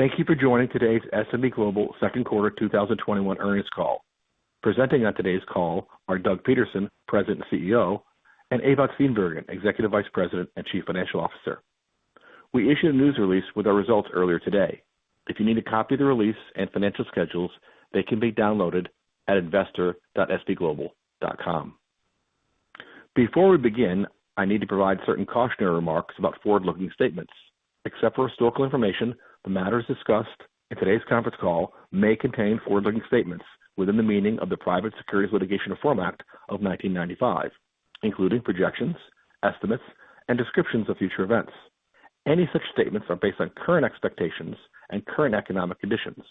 Thank you for joining today's S&P Global second quarter 2021 earnings call. Presenting on today's call are Doug Peterson, President and CEO, and Ewout Steenbergen, Executive Vice President and Chief Financial Officer. We issued a news release with our results earlier today. If you need a copy of the release and financial schedules, they can be downloaded at investor.spglobal.com. Before we begin, I need to provide certain cautionary remarks about forward-looking statements. Except for historical information, the matters discussed in today's conference call may contain forward-looking statements within the meaning of the Private Securities Litigation Reform Act of 1995, including projections, estimates, and descriptions of future events. Any such statements are based on current expectations and current economic conditions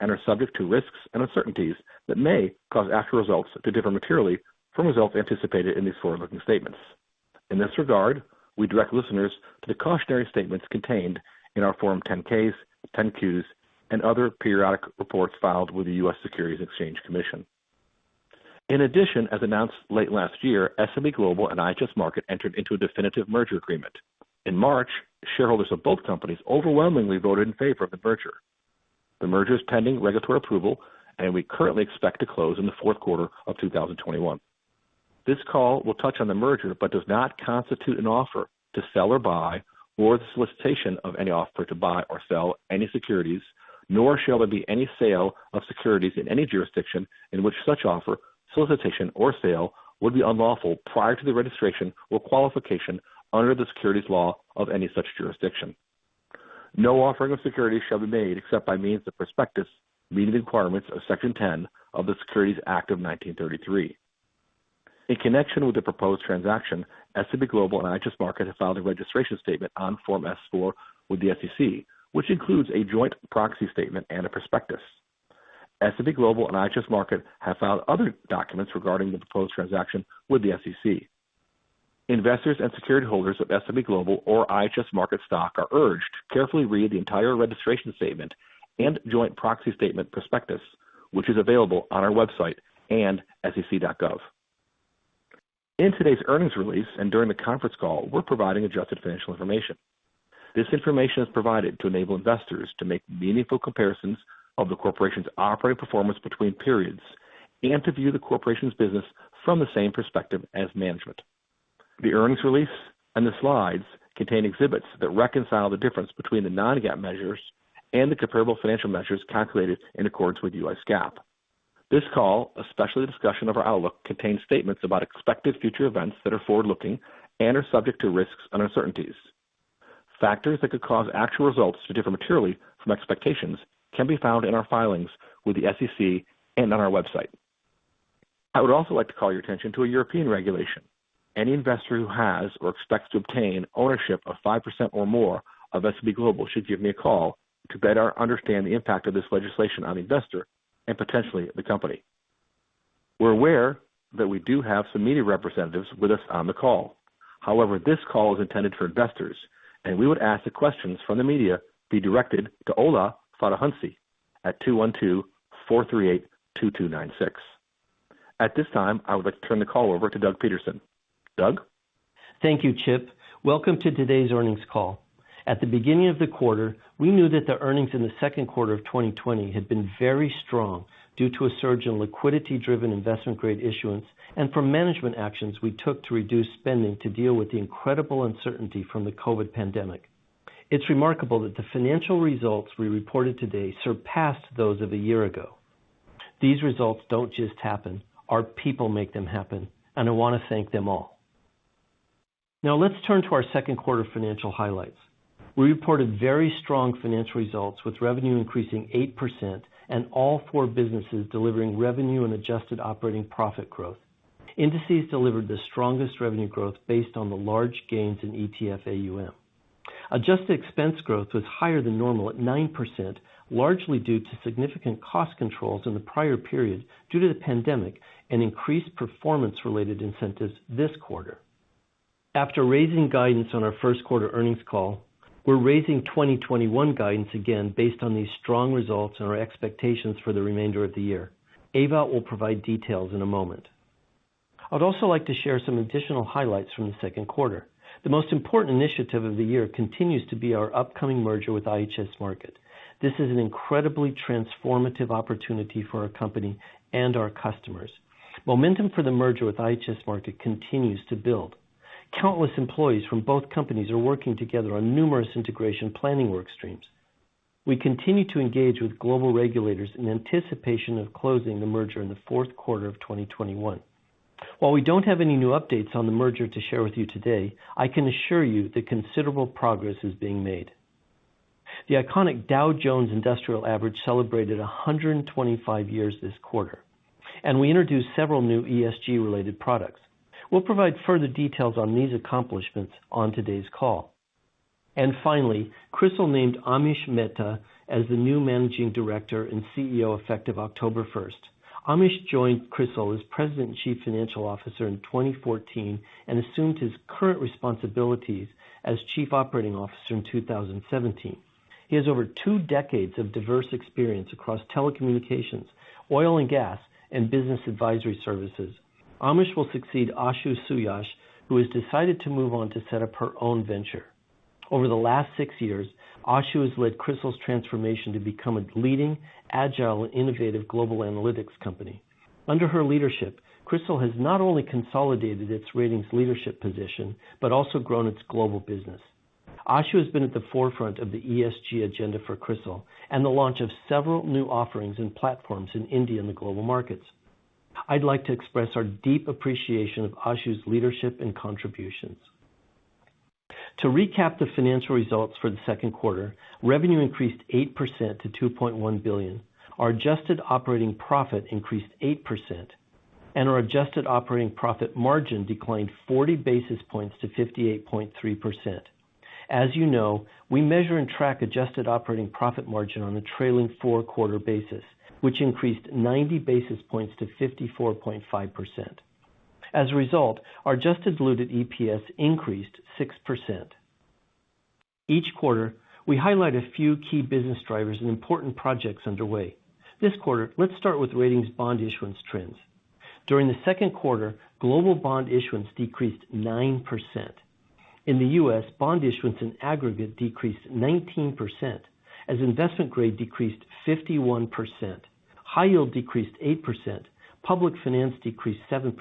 and are subject to risks and uncertainties that may cause actual results to differ materially from results anticipated in these forward-looking statements. In this regard, we direct listeners to the cautionary statements contained in our Form 10-Ks, 10-Qs, and other periodic reports filed with the U.S. Securities and Exchange Commission. As announced late last year, S&P Global and IHS Markit entered into a definitive merger agreement. In March, shareholders of both companies overwhelmingly voted in favor of the merger. The merger is pending regulatory approval, and we currently expect to close in the fourth quarter of 2021. This call will touch on the merger, but does not constitute an offer to sell or buy, or the solicitation of any offer to buy or sell any securities, nor shall there be any sale of securities in any jurisdiction in which such offer, solicitation, or sale would be unlawful prior to the registration or qualification under the securities law of any such jurisdiction. No offering of securities shall be made except by means of a prospectus meeting the requirements of Section 10 of the Securities Act of 1933. In connection with the proposed transaction, S&P Global and IHS Markit have filed a registration statement on Form S-4 with the SEC, which includes a joint proxy statement and a prospectus. S&P Global and IHS Markit have filed other documents regarding the proposed transaction with the SEC. Investors and security holders of S&P Global or IHS Markit stock are urged to carefully read the entire registration statement and joint proxy statement prospectus, which is available on our website and sec.gov. In today's earnings release and during the conference call, we're providing adjusted financial information. This information is provided to enable investors to make meaningful comparisons of the corporation's operating performance between periods and to view the corporation's business from the same perspective as management. The earnings release and the slides contain exhibits that reconcile the difference between the non-GAAP measures and the comparable financial measures calculated in accordance with U.S. GAAP. This call, especially the discussion of our outlook, contains statements about expected future events that are forward-looking and are subject to risks and uncertainties. Factors that could cause actual results to differ materially from expectations can be found in our filings with the SEC and on our website. I would also like to call your attention to a European regulation. Any investor who has or expects to obtain ownership of 5% or more of S&P Global should give me a call to better understand the impact of this legislation on the investor and potentially the company. We're aware that we do have some media representatives with us on the call. However, this call is intended for investors, and we would ask that questions from the media be directed to Ola Fadahunsi at 212-438-2296. At this time, I would like to turn the call over to Doug Peterson. Doug? Thank you, Chip. Welcome to today's earnings call. At the beginning of the quarter, we knew that the earnings in the second quarter of 2020 had been very strong due to a surge in liquidity-driven investment-grade issuance and from management actions we took to reduce spending to deal with the incredible uncertainty from the COVID pandemic. It's remarkable that the financial results we reported today surpassed those of a year ago. These results don't just happen. Our people make them happen, and I want to thank them all. Let's turn to our second quarter financial highlights. We reported very strong financial results, with revenue increasing 8% and all four businesses delivering revenue and adjusted operating profit growth. Indices delivered the strongest revenue growth based on the large gains in ETF AUM. Adjusted expense growth was higher than normal at 9%, largely due to significant cost controls in the prior period due to the pandemic and increased performance-related incentives this quarter. After raising guidance on our first quarter earnings call, we're raising 2021 guidance again based on these strong results and our expectations for the remainder of the year. Ewout will provide details in a moment. I would also like to share some additional highlights from the second quarter. The most important initiative of the year continues to be our upcoming merger with IHS Markit. This is an incredibly transformative opportunity for our company and our customers. Momentum for the merger with IHS Markit continues to build. Countless employees from both companies are working together on numerous integration planning work streams. We continue to engage with global regulators in anticipation of closing the merger in the fourth quarter of 2021. While we don't have any new updates on the merger to share with you today, I can assure you that considerable progress is being made. The iconic Dow Jones Industrial Average celebrated 125 years this quarter. We introduced several new ESG-related products. We'll provide further details on these accomplishments on today's call. Finally, CRISIL named Amish Mehta as the new Managing Director and Chief Executive Officer effective October 1st. Amish joined CRISIL as President and Chief Financial Officer in 2014 and assumed his current responsibilities as Chief Operating Officer in 2017. He has over two decades of diverse experience across telecommunications, oil and gas, and business advisory services. Amish will succeed Ashu Suyash, who has decided to move on to set up her own venture. Over the last six years, Ashu has led CRISIL's transformation to become a leading agile and innovative global analytics company. Under her leadership, CRISIL has not only consolidated its ratings leadership position, but also grown its global business. Ashu has been at the forefront of the ESG agenda for CRISIL and the launch of several new offerings and platforms in India and the global markets. I'd like to express our deep appreciation of Ashu's leadership and contributions. To recap the financial results for the second quarter, revenue increased 8% to $2.1 billion. Our adjusted operating profit increased 8%, our adjusted operating profit margin declined 40 basis points to 58.3%. As you know, we measure and track adjusted operating profit margin on a trailing four-quarter basis, which increased 90 basis points to 54.5%. As a result, our adjusted diluted EPS increased 6%. Each quarter, we highlight a few key business drivers and important projects underway. This quarter, let's start with ratings bond issuance trends. During the second quarter, global bond issuance decreased 9%. In the U.S., bond issuance in aggregate decreased 19%, as investment grade decreased 51%, high yield decreased 8%, public finance decreased 7%,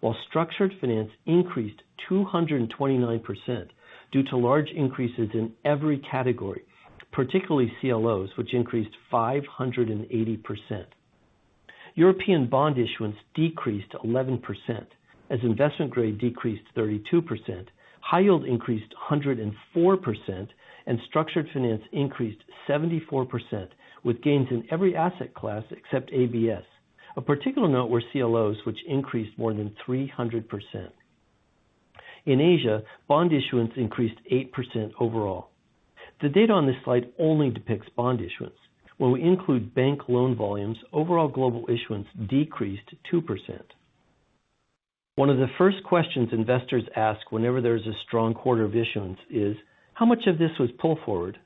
while structured finance increased 229% due to large increases in every category, particularly CLOs, which increased 580%. European bond issuance decreased 11%, as investment grade decreased 32%, high yield increased 104%, and structured finance increased 74%, with gains in every asset class except ABS. A particular note were CLOs, which increased more than 300%. In Asia, bond issuance increased 8% overall. The data on this slide only depicts bond issuance. When we include bank loan volumes, overall global issuance decreased 2%. One of the first questions investors ask whenever there's a strong quarter of issuance is, how much of this was pull forward?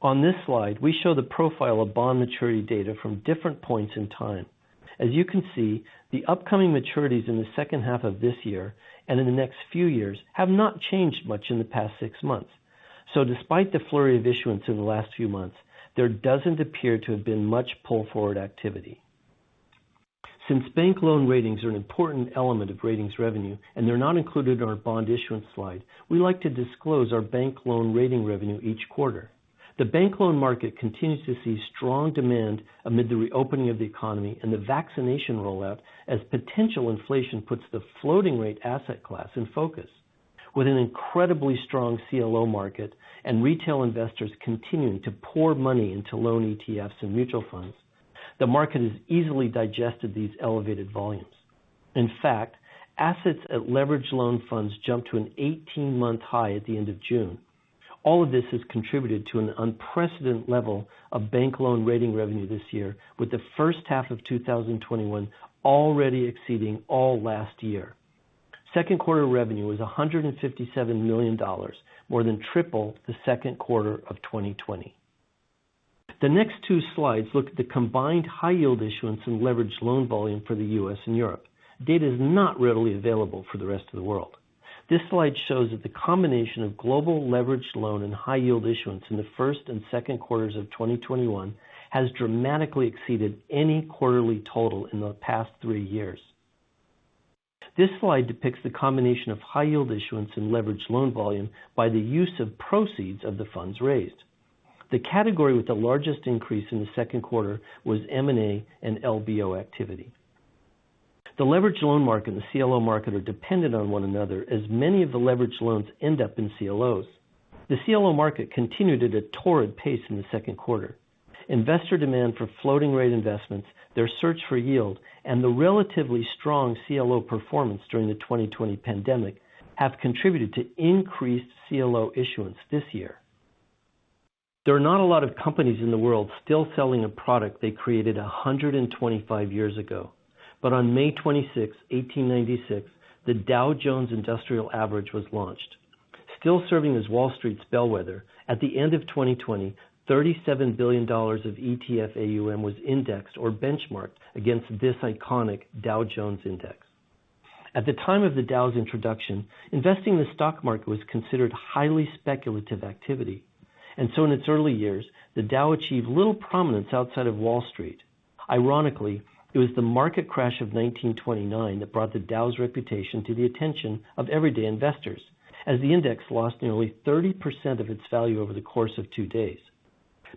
On this slide, we show the profile of bond maturity data from different points in time. As you can see, the upcoming maturities in the second half of this year and in the next few years have not changed much in the past six months. Despite the flurry of issuance in the last few months, there doesn't appear to have been much pull-forward activity. Since bank loan ratings are an important element of ratings revenue and they're not included in our bond issuance slide, we like to disclose our bank loan rating revenue each quarter. The bank loan market continues to see strong demand amid the reopening of the economy and the vaccination rollout as potential inflation puts the floating rate asset class in focus. With an incredibly strong CLO market and retail investors continuing to pour money into loan ETFs and mutual funds, the market has easily digested these elevated volumes. In fact, assets at leveraged loan funds jumped to an 18-month high at the end of June. All of this has contributed to an unprecedented level of bank loan rating revenue this year, with the first half of 2021 already exceeding all last year. Second quarter revenue was $157 million, more than triple the second quarter of 2020. The next two slides look at the combined high yield issuance and leveraged loan volume for the U.S. and Europe. Data is not readily available for the rest of the world. This slide shows that the combination of global leveraged loan and high yield issuance in the first and second quarters of 2021 has dramatically exceeded any quarterly total in the past three years. This slide depicts the combination of high yield issuance and leveraged loan volume by the use of proceeds of the funds raised. The category with the largest increase in the second quarter was M&A and LBO activity. The leveraged loan market and the CLO market are dependent on one another as many of the leveraged loans end up in CLOs. The CLO market continued at a torrid pace in the second quarter. Investor demand for floating rate investments, their search for yield, and the relatively strong CLO performance during the 2020 pandemic have contributed to increased CLO issuance this year. There are not a lot of companies in the world still selling a product they created 125 years ago. On May 26th, 1896, the Dow Jones Industrial Average was launched. Still serving as Wall Street's bellwether, at the end of 2020, $37 billion of ETF AUM was indexed or benchmarked against this iconic Dow Jones index. At the time of the Dow's introduction, investing in the stock market was considered highly speculative activity, and so in its early years, the Dow achieved little prominence outside of Wall Street. Ironically, it was the market crash of 1929 that brought the Dow's reputation to the attention of everyday investors, as the index lost nearly 30% of its value over the course of two days.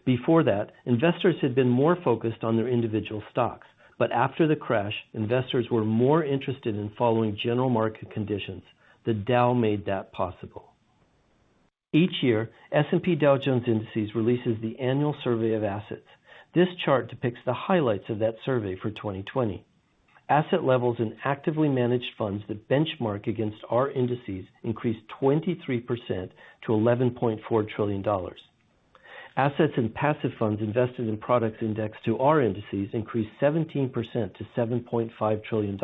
Before that, investors had been more focused on their individual stocks. After the crash, investors were more interested in following general market conditions. The Dow made that possible. Each year, S&P Dow Jones Indices releases the annual survey of assets. This chart depicts the highlights of that survey for 2020. Asset levels in actively managed funds that benchmark against our indices increased 23% to $11.4 trillion. Assets in passive funds invested in products indexed to our indices increased 17% to $7.5 trillion.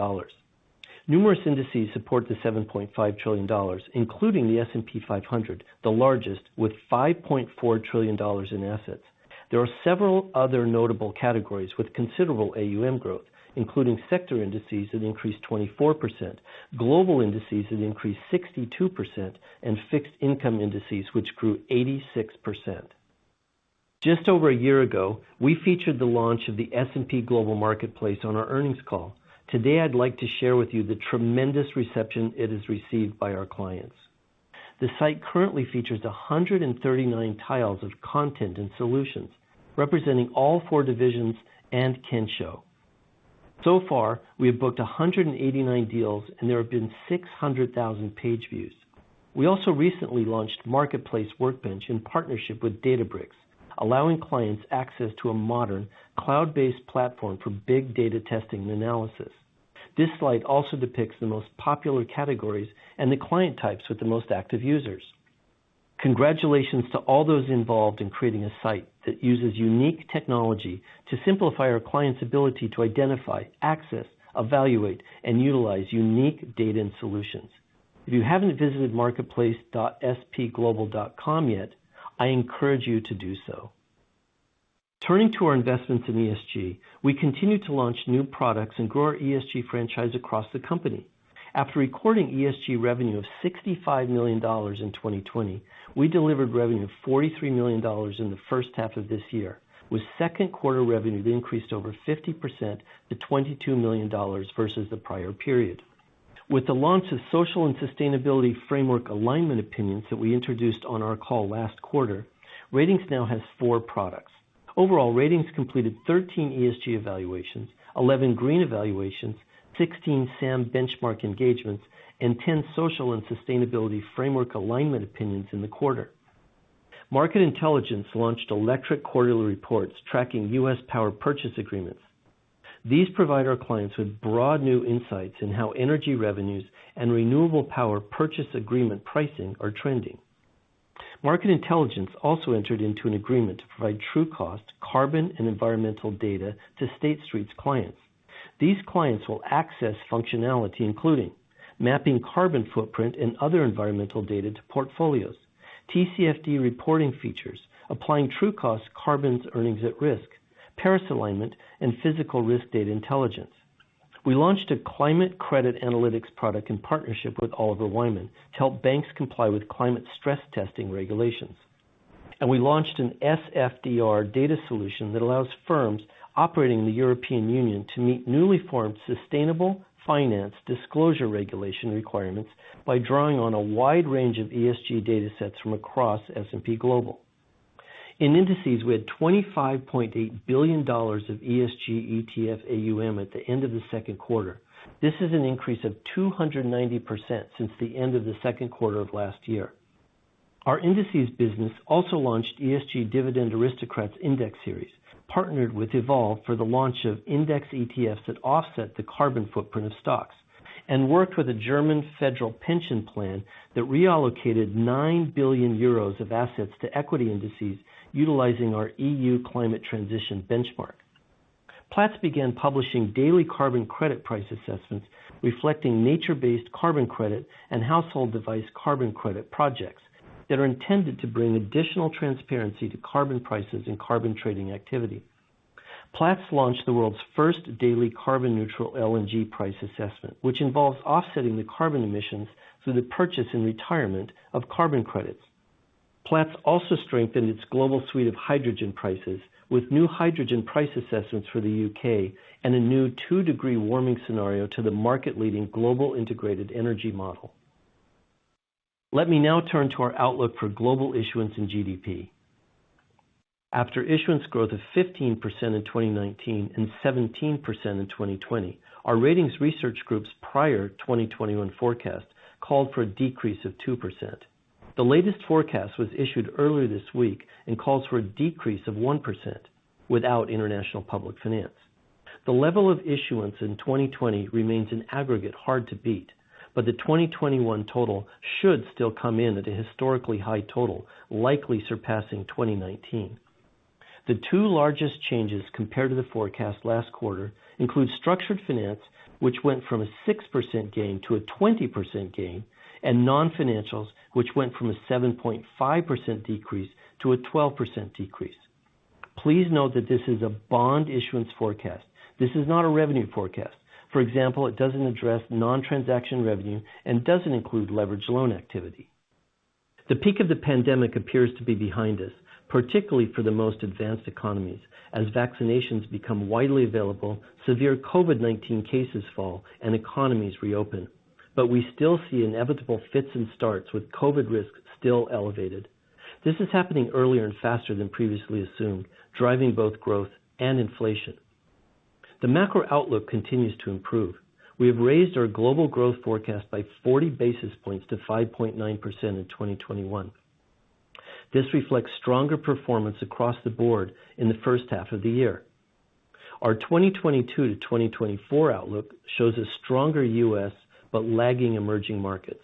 Numerous indices support the $7.5 trillion, including the S&P 500, the largest with $5.4 trillion in assets. There are several other notable categories with considerable AUM growth, including sector indices that increased 24%, global indices that increased 62%, and fixed income indices, which grew 86%. Just over a year ago, we featured the launch of the S&P Global Marketplace on our earnings call. Today, I'd like to share with you the tremendous reception it has received by our clients. The site currently features 139 tiles of content and solutions representing all 4 divisions and Kensho. So far, we have booked 189 deals, and there have been 600,000 page views. We also recently launched Marketplace Workbench in partnership with Databricks, allowing clients access to a modern cloud-based platform for big data testing and analysis. This slide also depicts the most popular categories and the client types with the most active users. Congratulations to all those involved in creating a site that uses unique technology to simplify our clients' ability to identify, access, evaluate, and utilize unique data and solutions. If you haven't visited marketplace.spglobal.com yet, I encourage you to do so. Turning to our investments in ESG, we continue to launch new products and grow our ESG franchise across the company. After recording ESG revenue of $65 million in 2020, we delivered revenue of $43 million in the first half of this year, with second quarter revenue that increased over 50% to $22 million versus the prior period. With the launch of social and sustainability framework alignment opinions that we introduced on our call last quarter, Ratings now has four products. Overall, Ratings completed 13 ESG evaluations, 11 green evaluations, 16 SAM benchmark engagements, and 10 social and sustainability framework alignment opinions in the quarter. Market Intelligence launched electric quarterly reports tracking U.S. power purchase agreements. These provide our clients with broad new insights in how energy revenues and renewable power purchase agreement pricing are trending. Market Intelligence also entered into an agreement to provide Trucost carbon and environmental data to State Street's clients. These clients will access functionality, including mapping carbon footprint and other environmental data to portfolios, TCFD reporting features, applying Trucost carbon's earnings at risk, Paris alignment, and physical risk data intelligence. We launched a Climate Credit Analytics product in partnership with Oliver Wyman to help banks comply with climate stress testing regulations. We launched an SFDR data solution that allows firms operating in the European Union to meet newly formed sustainable finance disclosure regulation requirements by drawing on a wide range of ESG data sets from across S&P Global. In Indices, we had $25.8 billion of ESG ETF AUM at the end of the second quarter. This is an increase of 290% since the end of the second quarter of last year. Our Indices business also launched ESG Dividend Aristocrats Index series, partnered with Evolve for the launch of index ETFs that offset the carbon footprint of stocks, and worked with a German federal pension plan that reallocated 9 billion euros of assets to equity indices utilizing our EU Climate Transition Benchmark. Platts began publishing daily carbon credit price assessments reflecting nature-based carbon credit and household device carbon credit projects that are intended to bring additional transparency to carbon prices and carbon trading activity. Platts launched the world's first daily Carbon-Neutral LNG price assessment, which involves offsetting the carbon emissions through the purchase and retirement of carbon credits. Platts also strengthened its global suite of hydrogen prices with new hydrogen price assessments for the U.K. and a new two-degree warming scenario to the market-leading Global Integrated Energy Model. Let me now turn to our outlook for global issuance and GDP. After issuance growth of 15% in 2019 and 17% in 2020, our Ratings Research group's prior 2021 forecast called for a decrease of 2%. The latest forecast was issued earlier this week and calls for a decrease of 1% without international public finance. The level of issuance in 2020 remains in aggregate hard to beat, but the 2021 total should still come in at a historically high total, likely surpassing 2019. The two largest changes compared to the forecast last quarter include structured finance, which went from a 6% gain to a 20% gain, and non-financials, which went from a 7.5% decrease to a 12% decrease. Please note that this is a bond issuance forecast, this is not a revenue forecast. For example, it doesn't address non-transaction revenue and doesn't include leverage loan activity. The peak of the pandemic appears to be behind us, particularly for the most advanced economies, as vaccinations become widely available, severe COVID-19 cases fall, and economies reopen. We still see inevitable fits and starts with COVID risks still elevated. This is happening earlier and faster than previously assumed, driving both growth and inflation. The macro outlook continues to improve. We have raised our global growth forecast by 40 basis points to 5.9% in 2021. This reflects stronger performance across the board in the first half of the year. Our 2022-2024 outlook shows a stronger U.S. but lagging emerging markets.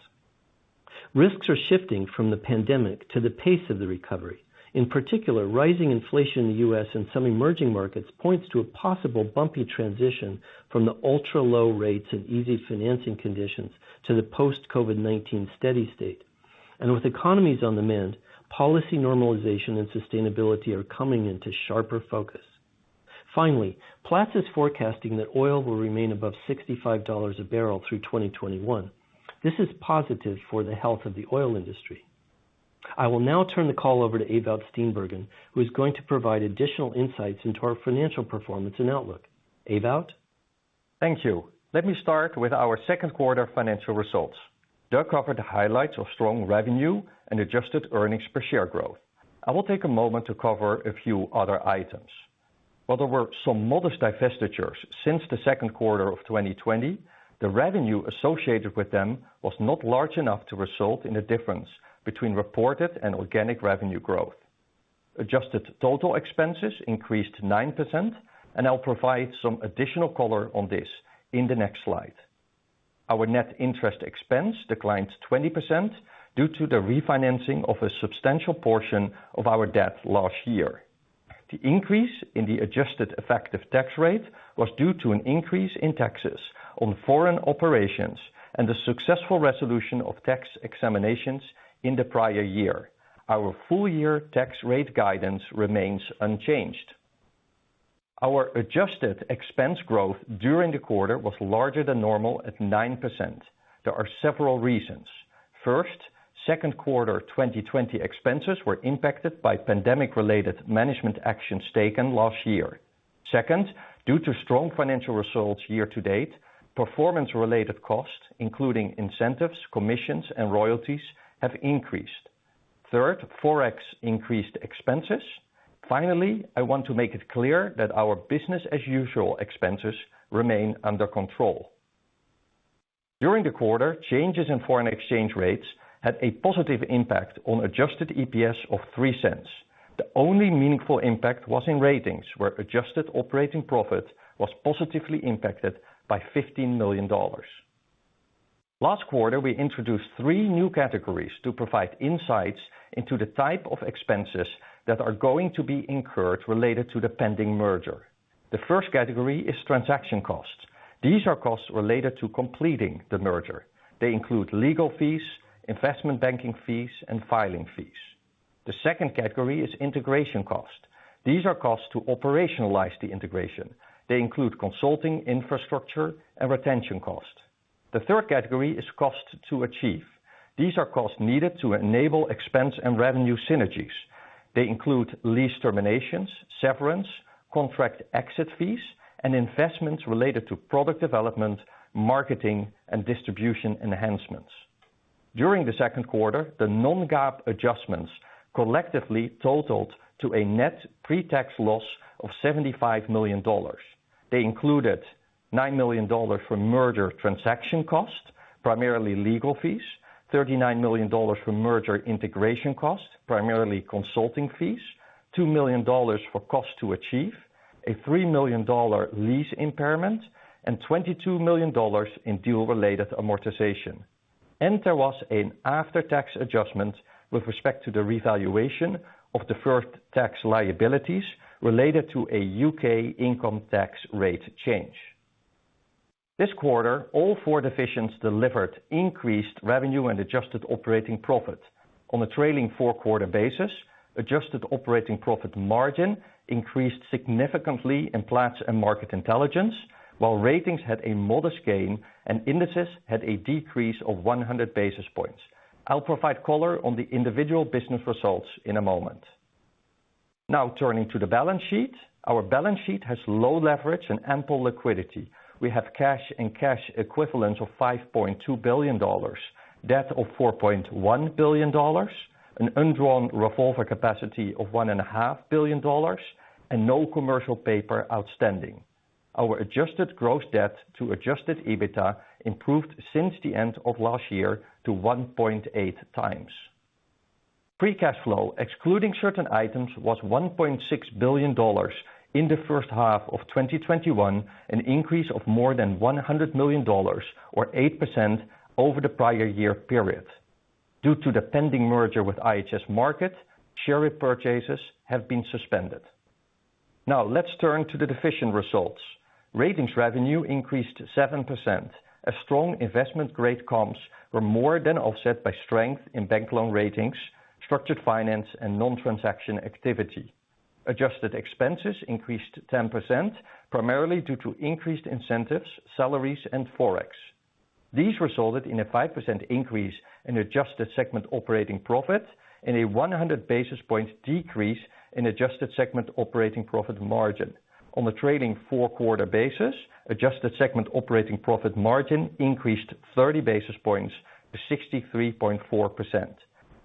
Risks are shifting from the pandemic to the pace of the recovery. In particular, rising inflation in the U.S. and some emerging markets points to a possible bumpy transition from the ultra-low rates and easy financing conditions to the post-COVID-19 steady state. With economies on the mend, policy normalization and sustainability are coming into sharper focus. Finally, Platts is forecasting that oil will remain above $65 a barrel through 2021. This is positive for the health of the oil industry. I will now turn the call over to Ewout Steenbergen, who's going to provide additional insights into our financial performance and outlook. Ewout? Thank you. Let me start with our second quarter financial results. Doug covered the highlights of strong revenue and adjusted earnings per share growth. I will take a moment to cover a few other items. While there were some modest divestitures since the second quarter of 2020, the revenue associated with them was not large enough to result in a difference between reported and organic revenue growth. Adjusted total expenses increased 9%, and I'll provide some additional color on this in the next slide. Our net interest expense declined 20% due to the refinancing of a substantial portion of our debt last year. The increase in the adjusted effective tax rate was due to an increase in taxes on foreign operations and the successful resolution of tax examinations in the prior year. Our full-year tax rate guidance remains unchanged. Our adjusted expense growth during the quarter was larger than normal at 9%. There are several reasons. First, second quarter 2020 expenses were impacted by pandemic-related management actions taken last year. Second, due to strong financial results year to date, performance-related costs, including incentives, commissions, and royalties have increased. Third, Forex increased expenses. Finally, I want to make it clear that our business-as-usual expenses remain under control. During the quarter, changes in foreign exchange rates had a positive impact on adjusted EPS of $0.03. The only meaningful impact was in ratings, where adjusted operating profit was positively impacted by $15 million. Last quarter, we introduced three new categories to provide insights into the type of expenses that are going to be incurred related to the pending merger. The first category is transaction costs. These are costs related to completing the merger. They include legal fees, investment banking fees, and filing fees. The second category is integration costs. These are costs to operationalize the integration. They include consulting, infrastructure, and retention costs. The third category is costs to achieve. These are costs needed to enable expense and revenue synergies. They include lease terminations, severance, contract exit fees, and investments related to product development, marketing, and distribution enhancements. During the second quarter, the non-GAAP adjustments collectively totaled to a net pre-tax loss of $75 million. They included $9 million for merger transaction costs, primarily legal fees, $39 million for merger integration costs, primarily consulting fees, $2 million for costs to achieve, a $3 million lease impairment, and $22 million in deal-related amortization. There was an after-tax adjustment with respect to the revaluation of deferred tax liabilities related to a U.K. income tax rate change. This quarter, all four divisions delivered increased revenue and adjusted operating profit. On a trailing four-quarter basis, adjusted operating profit margin increased significantly in Platts and Market Intelligence, while Ratings had a modest gain and Indices had a decrease of 100 basis points. I will provide color on the individual business results in a moment. Turning to the balance sheet. Our balance sheet has low leverage and ample liquidity. We have cash and cash equivalents of $5.2 billion, debt of $4.1 billion, an undrawn revolver capacity of $1.5 billion, and no commercial paper outstanding. Our adjusted gross debt to adjusted EBITDA improved since the end of last year to 1.8 times. Free cash flow, excluding certain items, was $1.6 billion in the first half of 2021, an increase of more than $100 million, or 8% over the prior year period. Due to the pending merger with IHS Markit, share repurchases have been suspended. Let's turn to the division results. Ratings revenue increased 7%. A strong investment grade comps were more than offset by strength in bank loan ratings, structured finance, and non-transaction activity. Adjusted expenses increased 10%, primarily due to increased incentives, salaries, and Forex. These resulted in a 5% increase in adjusted segment operating profit and a 100 basis points decrease in adjusted segment operating profit margin. On a trailing four-quarter basis, adjusted segment operating profit margin increased 30 basis points to 63.4%.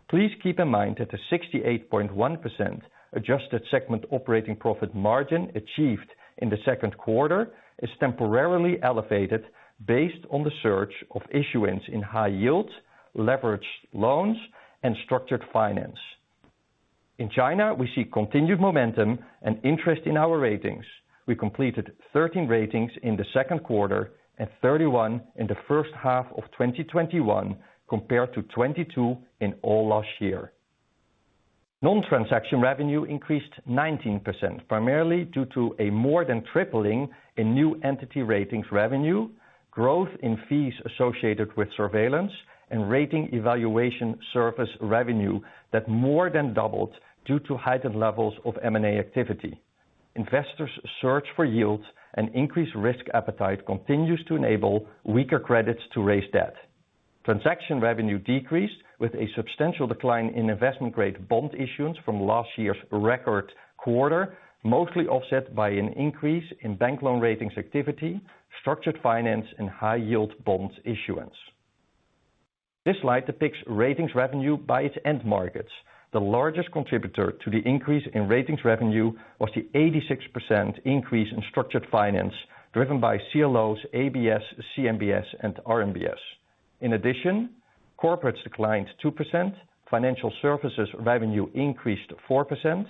Please keep in mind that the 68.1% adjusted segment operating profit margin achieved in the second quarter is temporarily elevated based on the surge of issuance in high yield, leveraged loans, and structured finance. In China, we see continued momentum and interest in our ratings. We completed 13 ratings in the second quarter and 31 in the first half of 2021, compared to 22 in all last year. Non-transaction revenue increased 19%, primarily due to a more than tripling in new entity ratings revenue, growth in fees associated with surveillance, and rating evaluation service revenue that more than doubled due to heightened levels of M&A activity. Investors search for yields. Increased risk appetite continues to enable weaker credits to raise debt. Transaction revenue decreased with a substantial decline in investment-grade bond issuance from last year's record quarter, mostly offset by an increase in bank loan ratings activity, structured finance, and high yield bonds issuance. This slide depicts ratings revenue by its end markets. The largest contributor to the increase in ratings revenue was the 86% increase in structured finance driven by CLOs, ABS, CMBS, and RMBS. In addition, corporates declined 2%, financial services revenue increased 4%,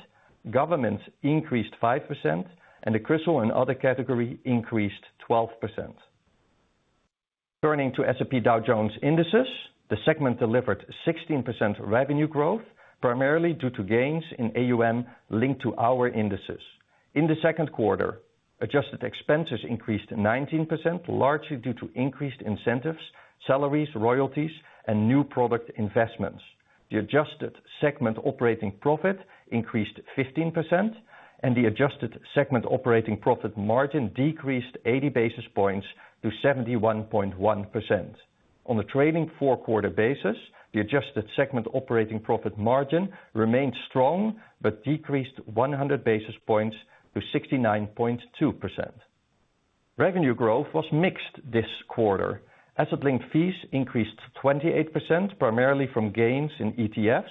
government increased 5%, and the CRISIL and other category increased 12%. Turning to S&P Dow Jones Indices, the segment delivered 16% revenue growth, primarily due to gains in AUM linked to our indices. In the second quarter, adjusted expenses increased 19%, largely due to increased incentives, salaries, royalties, and new product investments. The adjusted segment operating profit increased 15%, and the adjusted segment operating profit margin decreased 80 basis points to 71.1%. On the trailing four-quarter basis, the adjusted segment operating profit margin remained strong but decreased 100 basis points to 69.2%. Revenue growth was mixed this quarter. Asset-linked fees increased 28%, primarily from gains in ETFs,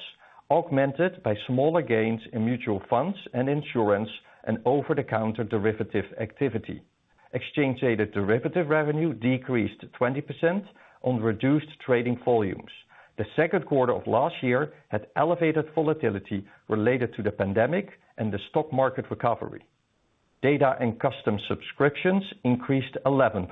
augmented by smaller gains in mutual funds and insurance and over-the-counter derivative activity. Exchange-aided derivative revenue decreased 20% on reduced trading volumes. The second quarter of last year had elevated volatility related to the pandemic and the stock market recovery. Data and custom subscriptions increased 11%.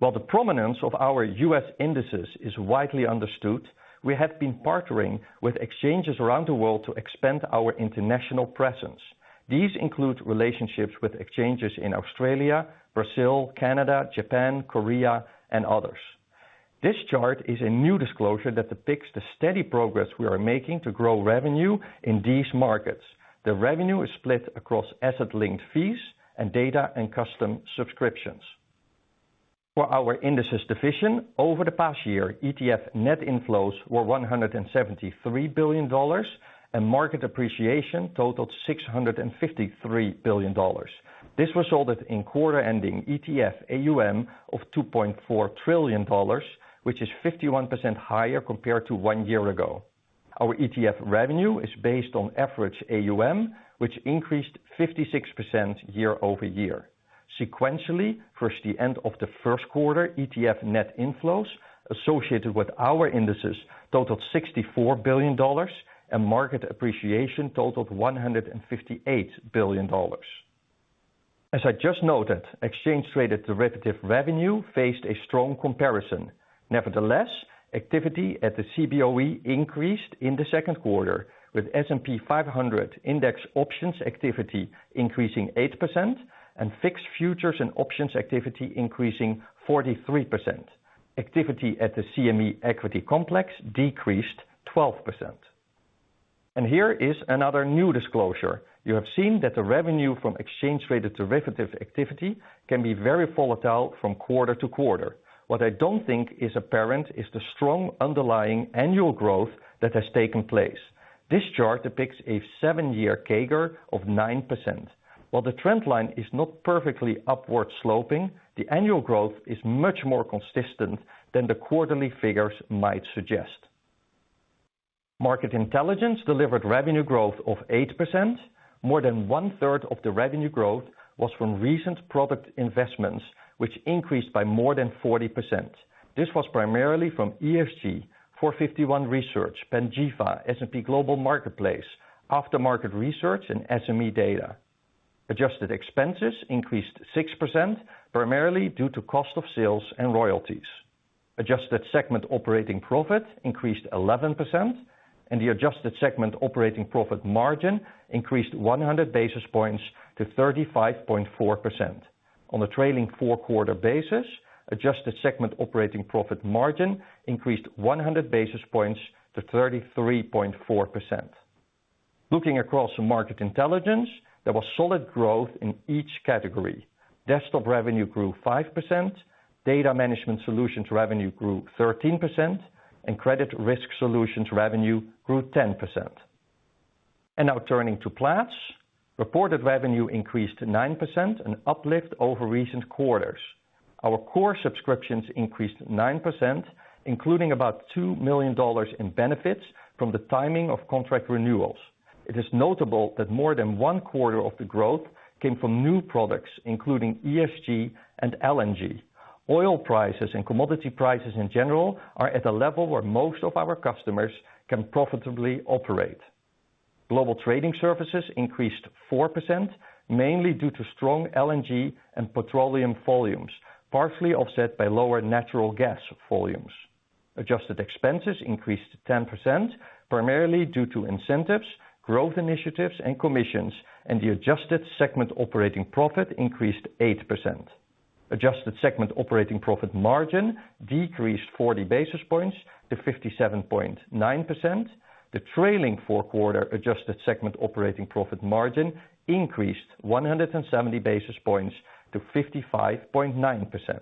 While the prominence of our U.S. indices is widely understood, we have been partnering with exchanges around the world to expand our international presence. These include relationships with exchanges in Australia, Brazil, Canada, Japan, Korea, and others. This chart is a new disclosure that depicts the steady progress we are making to grow revenue in these markets. The revenue is split across asset-linked fees and data and custom subscriptions. For our Indices division, over the past year, ETF net inflows were $173 billion, and market appreciation totaled $653 billion. This resulted in quarter-ending ETF AUM of $2.4 trillion, which is 51% higher compared to one year ago. Our ETF revenue is based on average AUM, which increased 56% year-over-year. Sequentially, versus the end of the first quarter, ETF net inflows associated with our indices totaled $64 billion, and market appreciation totaled $158 billion. Nevertheless, activity at the Cboe increased in the second quarter, with S&P 500 index options activity increasing 8% and fixed futures and options activity increasing 43%. Activity at the CME equity complex decreased 12%. Here is another new disclosure. You have seen that the revenue from exchange-traded derivative activity can be very volatile from quarter to quarter. What I don't think is apparent is the strong underlying annual growth that has taken place. This chart depicts a year-year CAGR of 9%. While the trend line is not perfectly upward-sloping, the annual growth is much more consistent than the quarterly figures might suggest. Market Intelligence delivered revenue growth of 8%. More than one-third of the revenue growth was from recent product investments, which increased by more than 40%. This was primarily from ESG, 451 Research, Panjiva, S&P Global Marketplace, Aftermarket Research, and SME data. Adjusted expenses increased 6%, primarily due to cost of sales and royalties. Adjusted segment operating profit increased 11%, and the adjusted segment operating profit margin increased 100 basis points to 35.4%. On the trailing four-quarter basis, adjusted segment operating profit margin increased 100 basis points to 33.4%. Looking across market intelligence, there was solid growth in each category. Desktop revenue grew 5%, data management solutions revenue grew 13%, and credit risk solutions revenue grew 10%. Now turning to Platts. Reported revenue increased 9%, an uplift over recent quarters. Our core subscriptions increased 9%, including about $2 million in benefits from the timing of contract renewals. It is notable that more than one-quarter of the growth came from new products, including ESG and LNG. Oil prices and commodity prices in general are at a level where most of our customers can profitably operate. Global trading services increased 4%, mainly due to strong LNG and petroleum volumes, partially offset by lower natural gas volumes. Adjusted expenses increased 10%, primarily due to incentives, growth initiatives, and commissions, and the adjusted segment operating profit increased 8%. Adjusted segment operating profit margin decreased 40 basis points to 57.9%. The trailing four quarter adjusted segment operating profit margin increased 170 basis points to 55.9%.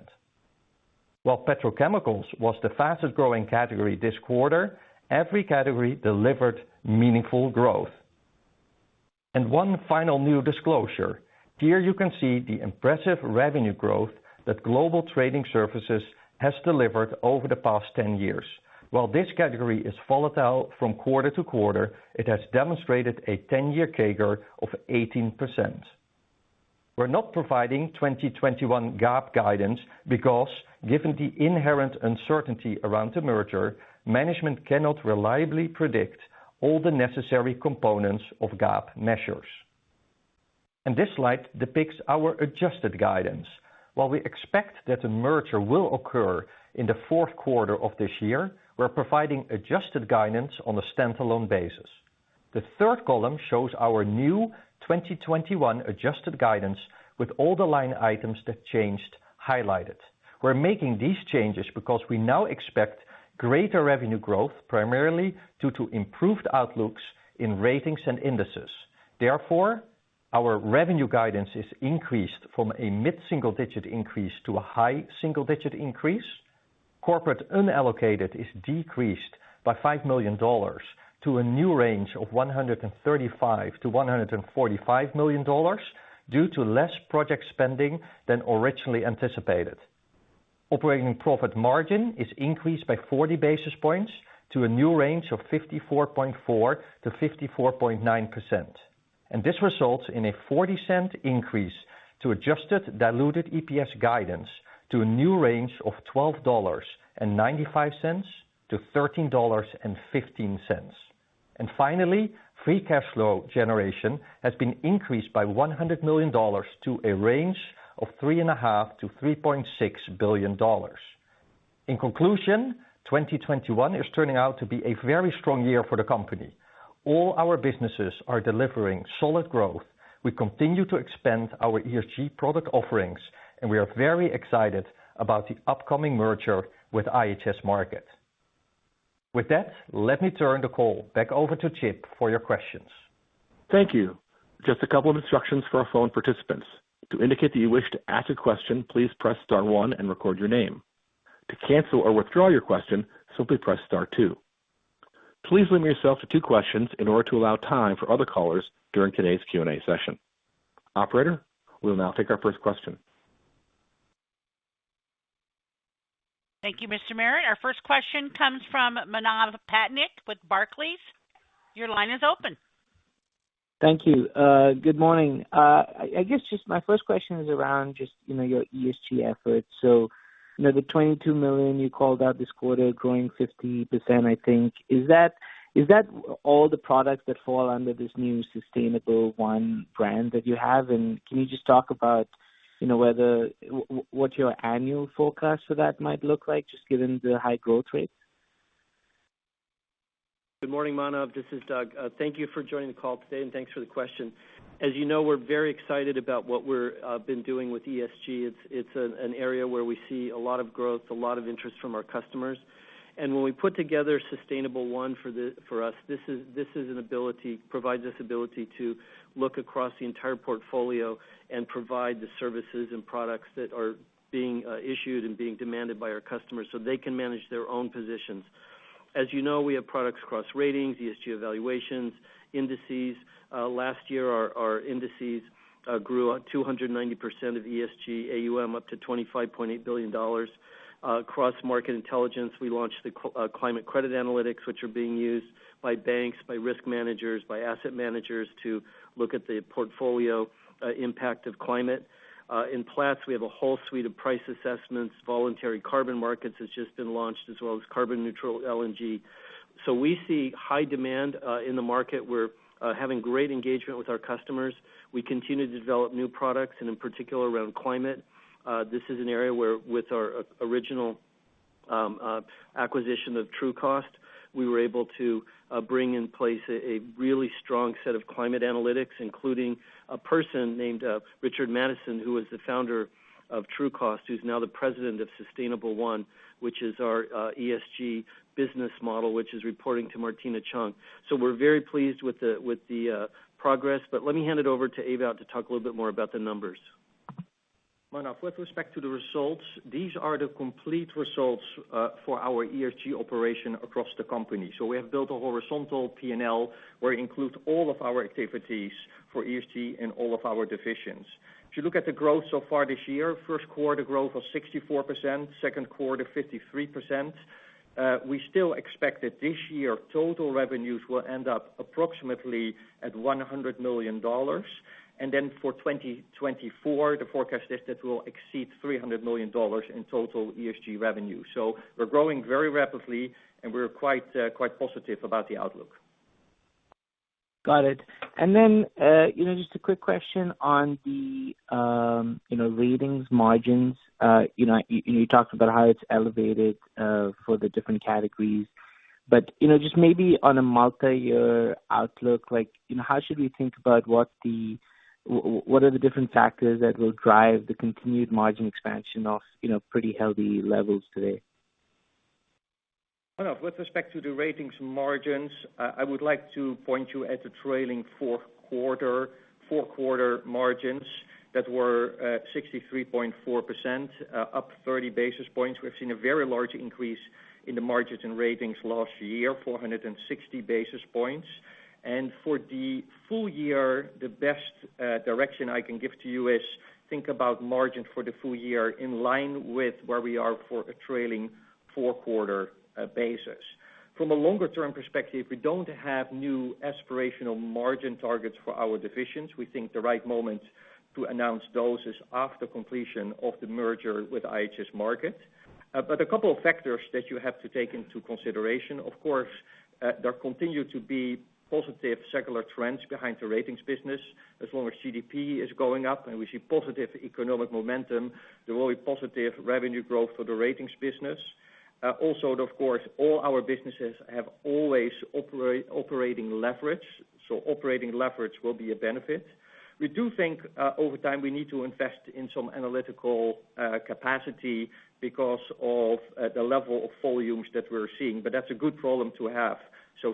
While petrochemicals was the fastest-growing category this quarter, every category delivered meaningful growth. One final new disclosure. Here, you can see the impressive revenue growth that global trading services has delivered over the past 10 years. While this category is volatile from quarter to quarter, it has demonstrated a 10-year CAGR of 18%. We're not providing 2021 GAAP guidance because, given the inherent uncertainty around the merger, management cannot reliably predict all the necessary components of GAAP measures. This slide depicts our adjusted guidance. While we expect that the merger will occur in the 4th quarter of this year, we're providing adjusted guidance on a standalone basis. The third column shows our new 2021 adjusted guidance with all the line items that changed highlighted. We're making these changes because we now expect greater revenue growth, primarily due to improved outlooks in ratings and indices. Therefore, our revenue guidance is increased from a mid-single-digit increase to a high single-digit increase. Corporate unallocated is decreased by $5 million to a new range of $135 million-$145 million due to less project spending than originally anticipated. Operating profit margin is increased by 40 basis points to a new range of 54.4%-54.9%. This results in a $0.40 increase to adjusted diluted EPS guidance to a new range of $12.95-$13.15. Finally, free cash flow generation has been increased by $100 million to a range of $3.5 billion-$3.6 billion. In conclusion, 2021 is turning out to be a very strong year for the company. All our businesses are delivering solid growth. We continue to expand our ESG product offerings, and we are very excited about the upcoming merger with IHS Markit. With that, let me turn the call back over to Chip for your questions. Thank you. Just a couple of instructions for our phone participants. To indicate that you wish to ask a question, please press star one and record your name. To cancel or withdraw your question, simply press star two. Please limit yourself to two questions in order to allow time for other callers during today's Q&A session. Operator, we'll now take our first question. Thank you, Mr. Merritt. Our first question comes from Manav Patnaik with Barclays. Your line is open. Thank you. Good morning. I guess, just my first question is around just your ESG efforts. The $22 million you called out this quarter, growing 50%, I think, is that all the products that fall under this new Sustainable1 brand that you have? Can you just talk about what your annual forecast for that might look like, just given the high growth rate? Good morning, Manav, this is Doug. Thank you for joining the call today, and thanks for the question. As you know, we're very excited about what we've been doing with ESG. It's an area where we see a lot of growth, a lot of interest from our customers. When we put together Sustainable1 for us, this provides us ability to look across the entire portfolio and provide the services and products that are being issued and being demanded by our customers so they can manage their own positions. As you know, we have products across ratings, ESG evaluations, indices. Last year, our indices grew 290% of ESG AUM up to $25.8 billion. Across Market Intelligence, we launched the Climate Credit Analytics, which are being used by banks, by risk managers, by asset managers to look at the portfolio impact of climate. In Platts, we have a whole suite of price assessments. Voluntary Carbon Markets has just been launched, as well as Carbon-Neutral LNG. We see high demand in the market. We're having great engagement with our customers. We continue to develop new products, and in particular, around climate. This is an area where with our original acquisition of Trucost, we were able to bring in place a really strong set of climate analytics, including a person named Richard Mattison, who was the founder of Trucost, who's now the President of Sustainable1, which is our ESG business model, which is reporting to Martina Cheung. We're very pleased with the progress. Let me hand it over to Ewout to talk a little bit more about the numbers. Manav, with respect to the results, these are the complete results for our ESG operation across the company. We have built a horizontal P&L where it includes all of our activities for ESG in all of our divisions. If you look at the growth so far this year, first quarter growth of 64%, second quarter, 53%. We still expect that this year, total revenues will end up approximately at $100 million. For 2024, the forecast is that we'll exceed $300 million in total ESG revenue. We're growing very rapidly, and we're quite positive about the outlook. Got it. Just a quick question on the ratings margins. You talked about how it's elevated for the different categories, but just maybe on a multi-year outlook, how should we think about what are the different factors that will drive the continued margin expansion off pretty healthy levels today? With respect to the Ratings margins, I would like to point you at the trailing four quarter margins that were 63.4%, up 30 basis points. We've seen a very large increase in the margins and Ratings last year, 460 basis points. For the full year, the best direction I can give to you is think about margin for the full year in line with where we are for a trailing four quarter basis. From a longer-term perspective, we don't have new aspirational margin targets for our divisions. We think the right moment to announce those is after completion of the merger with IHS Markit. A couple of factors that you have to take into consideration, of course, there continue to be positive secular trends behind the Ratings business. As long as GDP is going up and we see positive economic momentum, there will be positive revenue growth for the ratings business. Of course, all our businesses have always operating leverage, so operating leverage will be a benefit. We do think, over time, we need to invest in some analytical capacity because of the level of volumes that we're seeing. That's a good problem to have.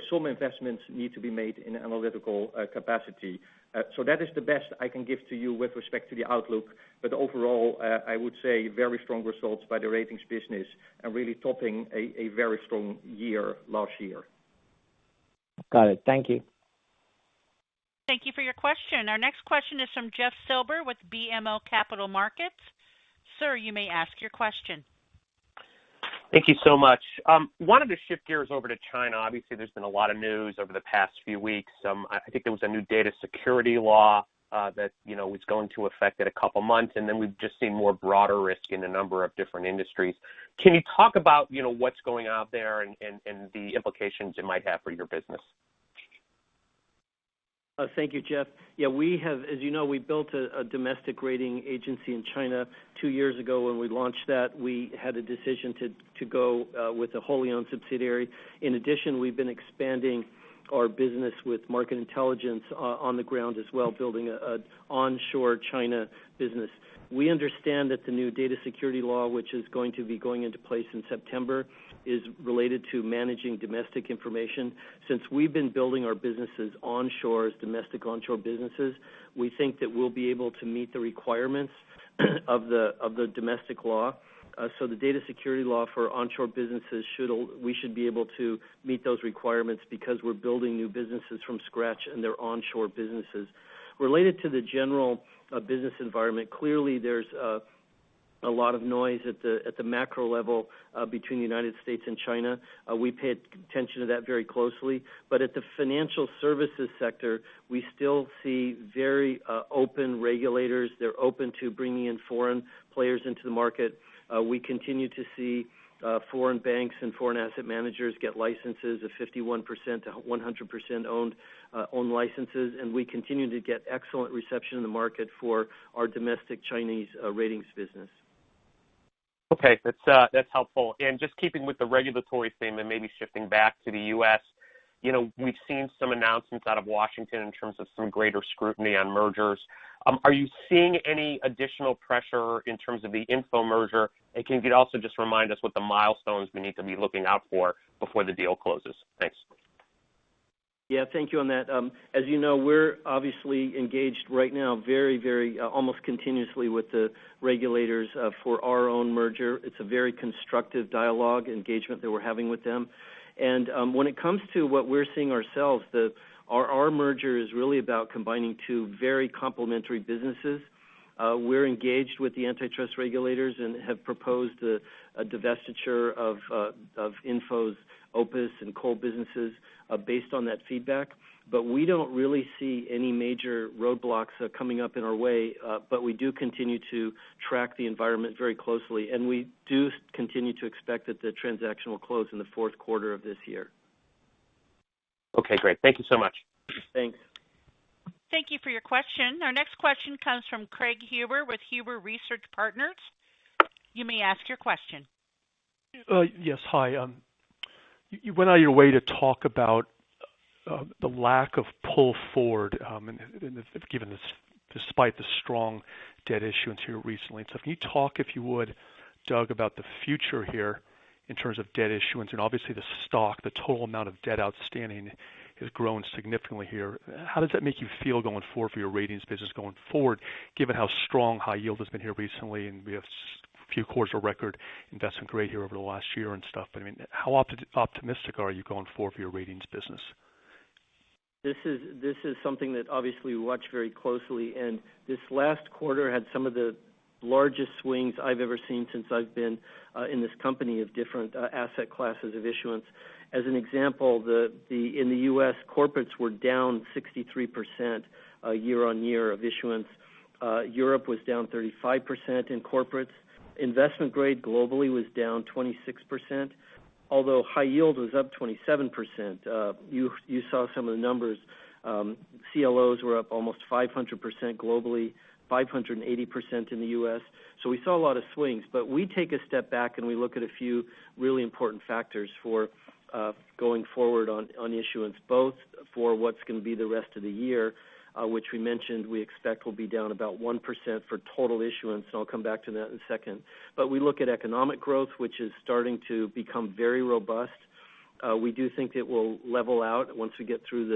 Some investments need to be made in analytical capacity. That is the best I can give to you with respect to the outlook. Overall, I would say very strong results by the ratings business and really topping a very strong year last year. Got it. Thank you. Thank you for your question. Our next question is from Jeff Silber with BMO Capital Markets. Sir, you may ask your question. Thank you so much. Wanted to shift gears over to China. Obviously, there's been a lot of news over the past few weeks. I think there was a new data security law that was going into effect in a couple of months, and then we've just seen more broader risk in a number of different industries. Can you talk about what's going on there and the implications it might have for your business? Thank you, Jeff. Yeah, as you know, we built a domestic rating agency in China two years ago. When we launched that, we had a decision to go with a wholly owned subsidiary. In addition, we've been expanding our business with Market Intelligence on the ground as well, building an onshore China business. We understand that the new data security law, which is going to be going into place in September, is related to managing domestic information. Since we've been building our businesses onshore as domestic onshore businesses, we think that we'll be able to meet the requirements of the domestic law. The data security law for onshore businesses, we should be able to meet those requirements because we're building new businesses from scratch, and they're onshore businesses. Related to the general business environment, clearly there's a lot of noise at the macro level between U.S. and China. We pay attention to that very closely. But at the financial services sector, we still see very open regulators. They're open to bringing in foreign players into the market. We continue to see foreign banks and foreign asset managers get licenses of 51% to 100% owned licenses, and we continue to get excellent reception in the market for our domestic Chinese ratings business. Okay, that's helpful. Just keeping with the regulatory theme and maybe shifting back to the U.S., we've seen some announcements out of Washington in terms of some greater scrutiny on mergers. Are you seeing any additional pressure in terms of the IHS Markit merger? Can you also just remind us what the milestones we need to be looking out for before the deal closes? Thanks. Yeah, thank you on that. As you know, we're obviously engaged right now very almost continuously with the regulators for our own merger. It's a very constructive dialogue engagement that we're having with them. When it comes to what we're seeing ourselves, our merger is really about combining two very complementary businesses. We're engaged with the antitrust regulators and have proposed a divestiture of IHS Markit's OPIS and coal businesses based on that feedback. We don't really see any major roadblocks coming up in our way. We do continue to track the environment very closely, and we do continue to expect that the transaction will close in the fourth quarter of this year. Okay, great. Thank you so much. Thanks. Thank you for your question. Our next question comes from Craig Huber with Huber Research Partners. You may ask your question. Yes, hi. You went out of your way to talk about the lack of pull forward given this, despite the strong debt issuance here recently and stuff. Can you talk, if you would, Doug, about the future here in terms of debt issuance and obviously the stock, the total amount of debt outstanding has grown significantly here. How does that make you feel going forward for your ratings business going forward, given how strong high yield has been here recently, and we have a few quarters of record investment grade here over the last year and stuff. How optimistic are you going forward for your ratings business? This is something that obviously we watch very closely, and this last quarter had some of the largest swings I've ever seen since I've been in this company of different asset classes of issuance. As an example, in the U.S., corporates were down 63% year-on-year of issuance. Europe was down 35% in corporates. Investment grade globally was down 26%, although high yield was up 27%. You saw some of the numbers. CLOs were up almost 500% globally, 580% in the U.S. We saw a lot of swings, but we take a step back and we look at a few really important factors for going forward on issuance, both for what's going to be the rest of the year, which we mentioned we expect will be down about 1% for total issuance. I'll come back to that in a second. We look at economic growth, which is starting to become very robust. We do think it will level out once we get through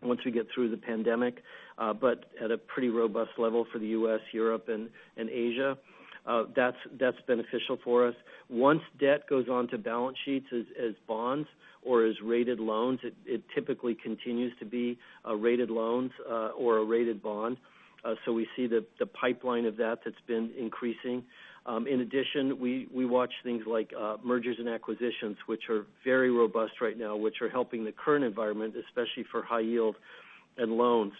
the pandemic, but at a pretty robust level for the U.S., Europe, and Asia. That's beneficial for us. Once debt goes onto balance sheets as bonds or as rated loans, it typically continues to be a rated loans or a rated bond. We see the pipeline of that that's been increasing. In addition, we watch things like mergers and acquisitions, which are very robust right now, which are helping the current environment, especially for high yield and loans.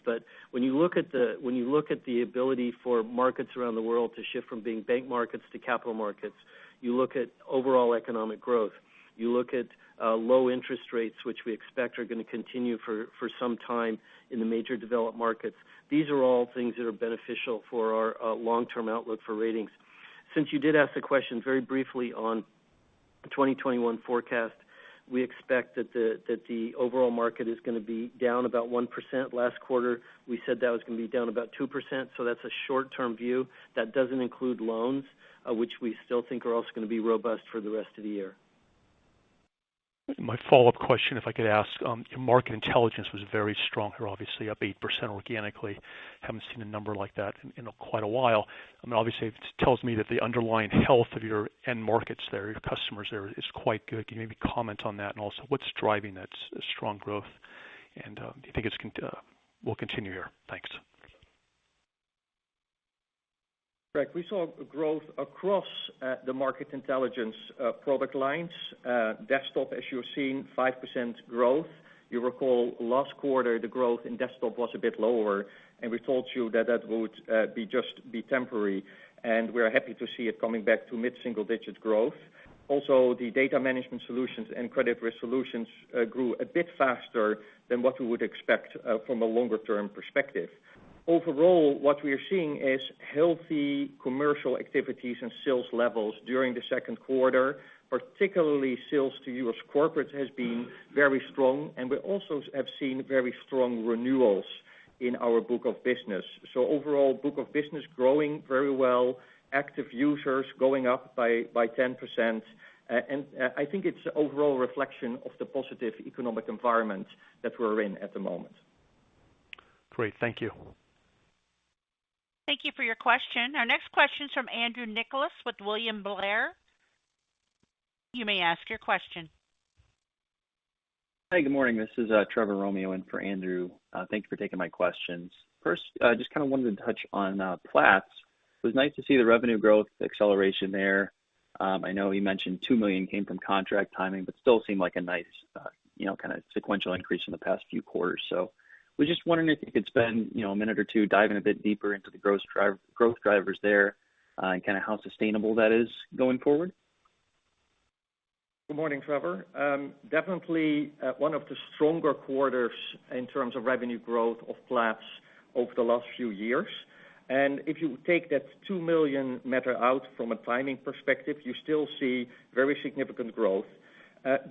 When you look at the ability for markets around the world to shift from being bank markets to capital markets, you look at overall economic growth. You look at low interest rates, which we expect are going to continue for some time in the major developed markets. These are all things that are beneficial for our long-term outlook for ratings. Since you did ask the question very briefly on the 2021 forecast, we expect that the overall market is going to be down about 1%. Last quarter, we said that was going to be down about 2%, so that's a short-term view. That doesn't include loans, which we still think are also going to be robust for the rest of the year. My follow-up question, if I could ask. Market Intelligence was very strong here, obviously up 8% organically. Haven't seen a number like that in quite a while. Obviously, it tells me that the underlying health of your end markets there, your customers there, is quite good. Can you maybe comment on that? Also, what's driving that strong growth, and do you think it will continue here? Thanks. Craig, we saw growth across the Market Intelligence product lines. Desktop, as you're seeing, 5% growth. You recall last quarter, the growth in desktop was a bit lower, and we told you that that would just be temporary, and we're happy to see it coming back to mid-single-digit growth. The data management solutions and credit risk solutions grew a bit faster than what we would expect from a longer-term perspective. What we are seeing is healthy commercial activities and sales levels during the second quarter. Particularly sales to U.S. corporates has been very strong, and we also have seen very strong renewals in our book of business. Overall, book of business growing very well, active users going up by 10%. I think it's an overall reflection of the positive economic environment that we're in at the moment. Great. Thank you. Thank you for your question. Our next question is from Andrew Nicholas with William Blair. You may ask your question. Hey, good morning. This is Trevor Romeo in for Andrew, thank you for taking my questions. Just kind of wanted to touch on Platts. It was nice to see the revenue growth acceleration there. I know you mentioned $2 million came from contract timing, but still seemed like a nice sequential increase in the past few quarters. Was just wondering if you could spend a minute or two diving a bit deeper into the growth drivers there and how sustainable that is going forward. Good morning, Trevor. Definitely one of the stronger quarters in terms of revenue growth of Platts over the last few years. If you take that $2 million matter out from a timing perspective, you still see very significant growth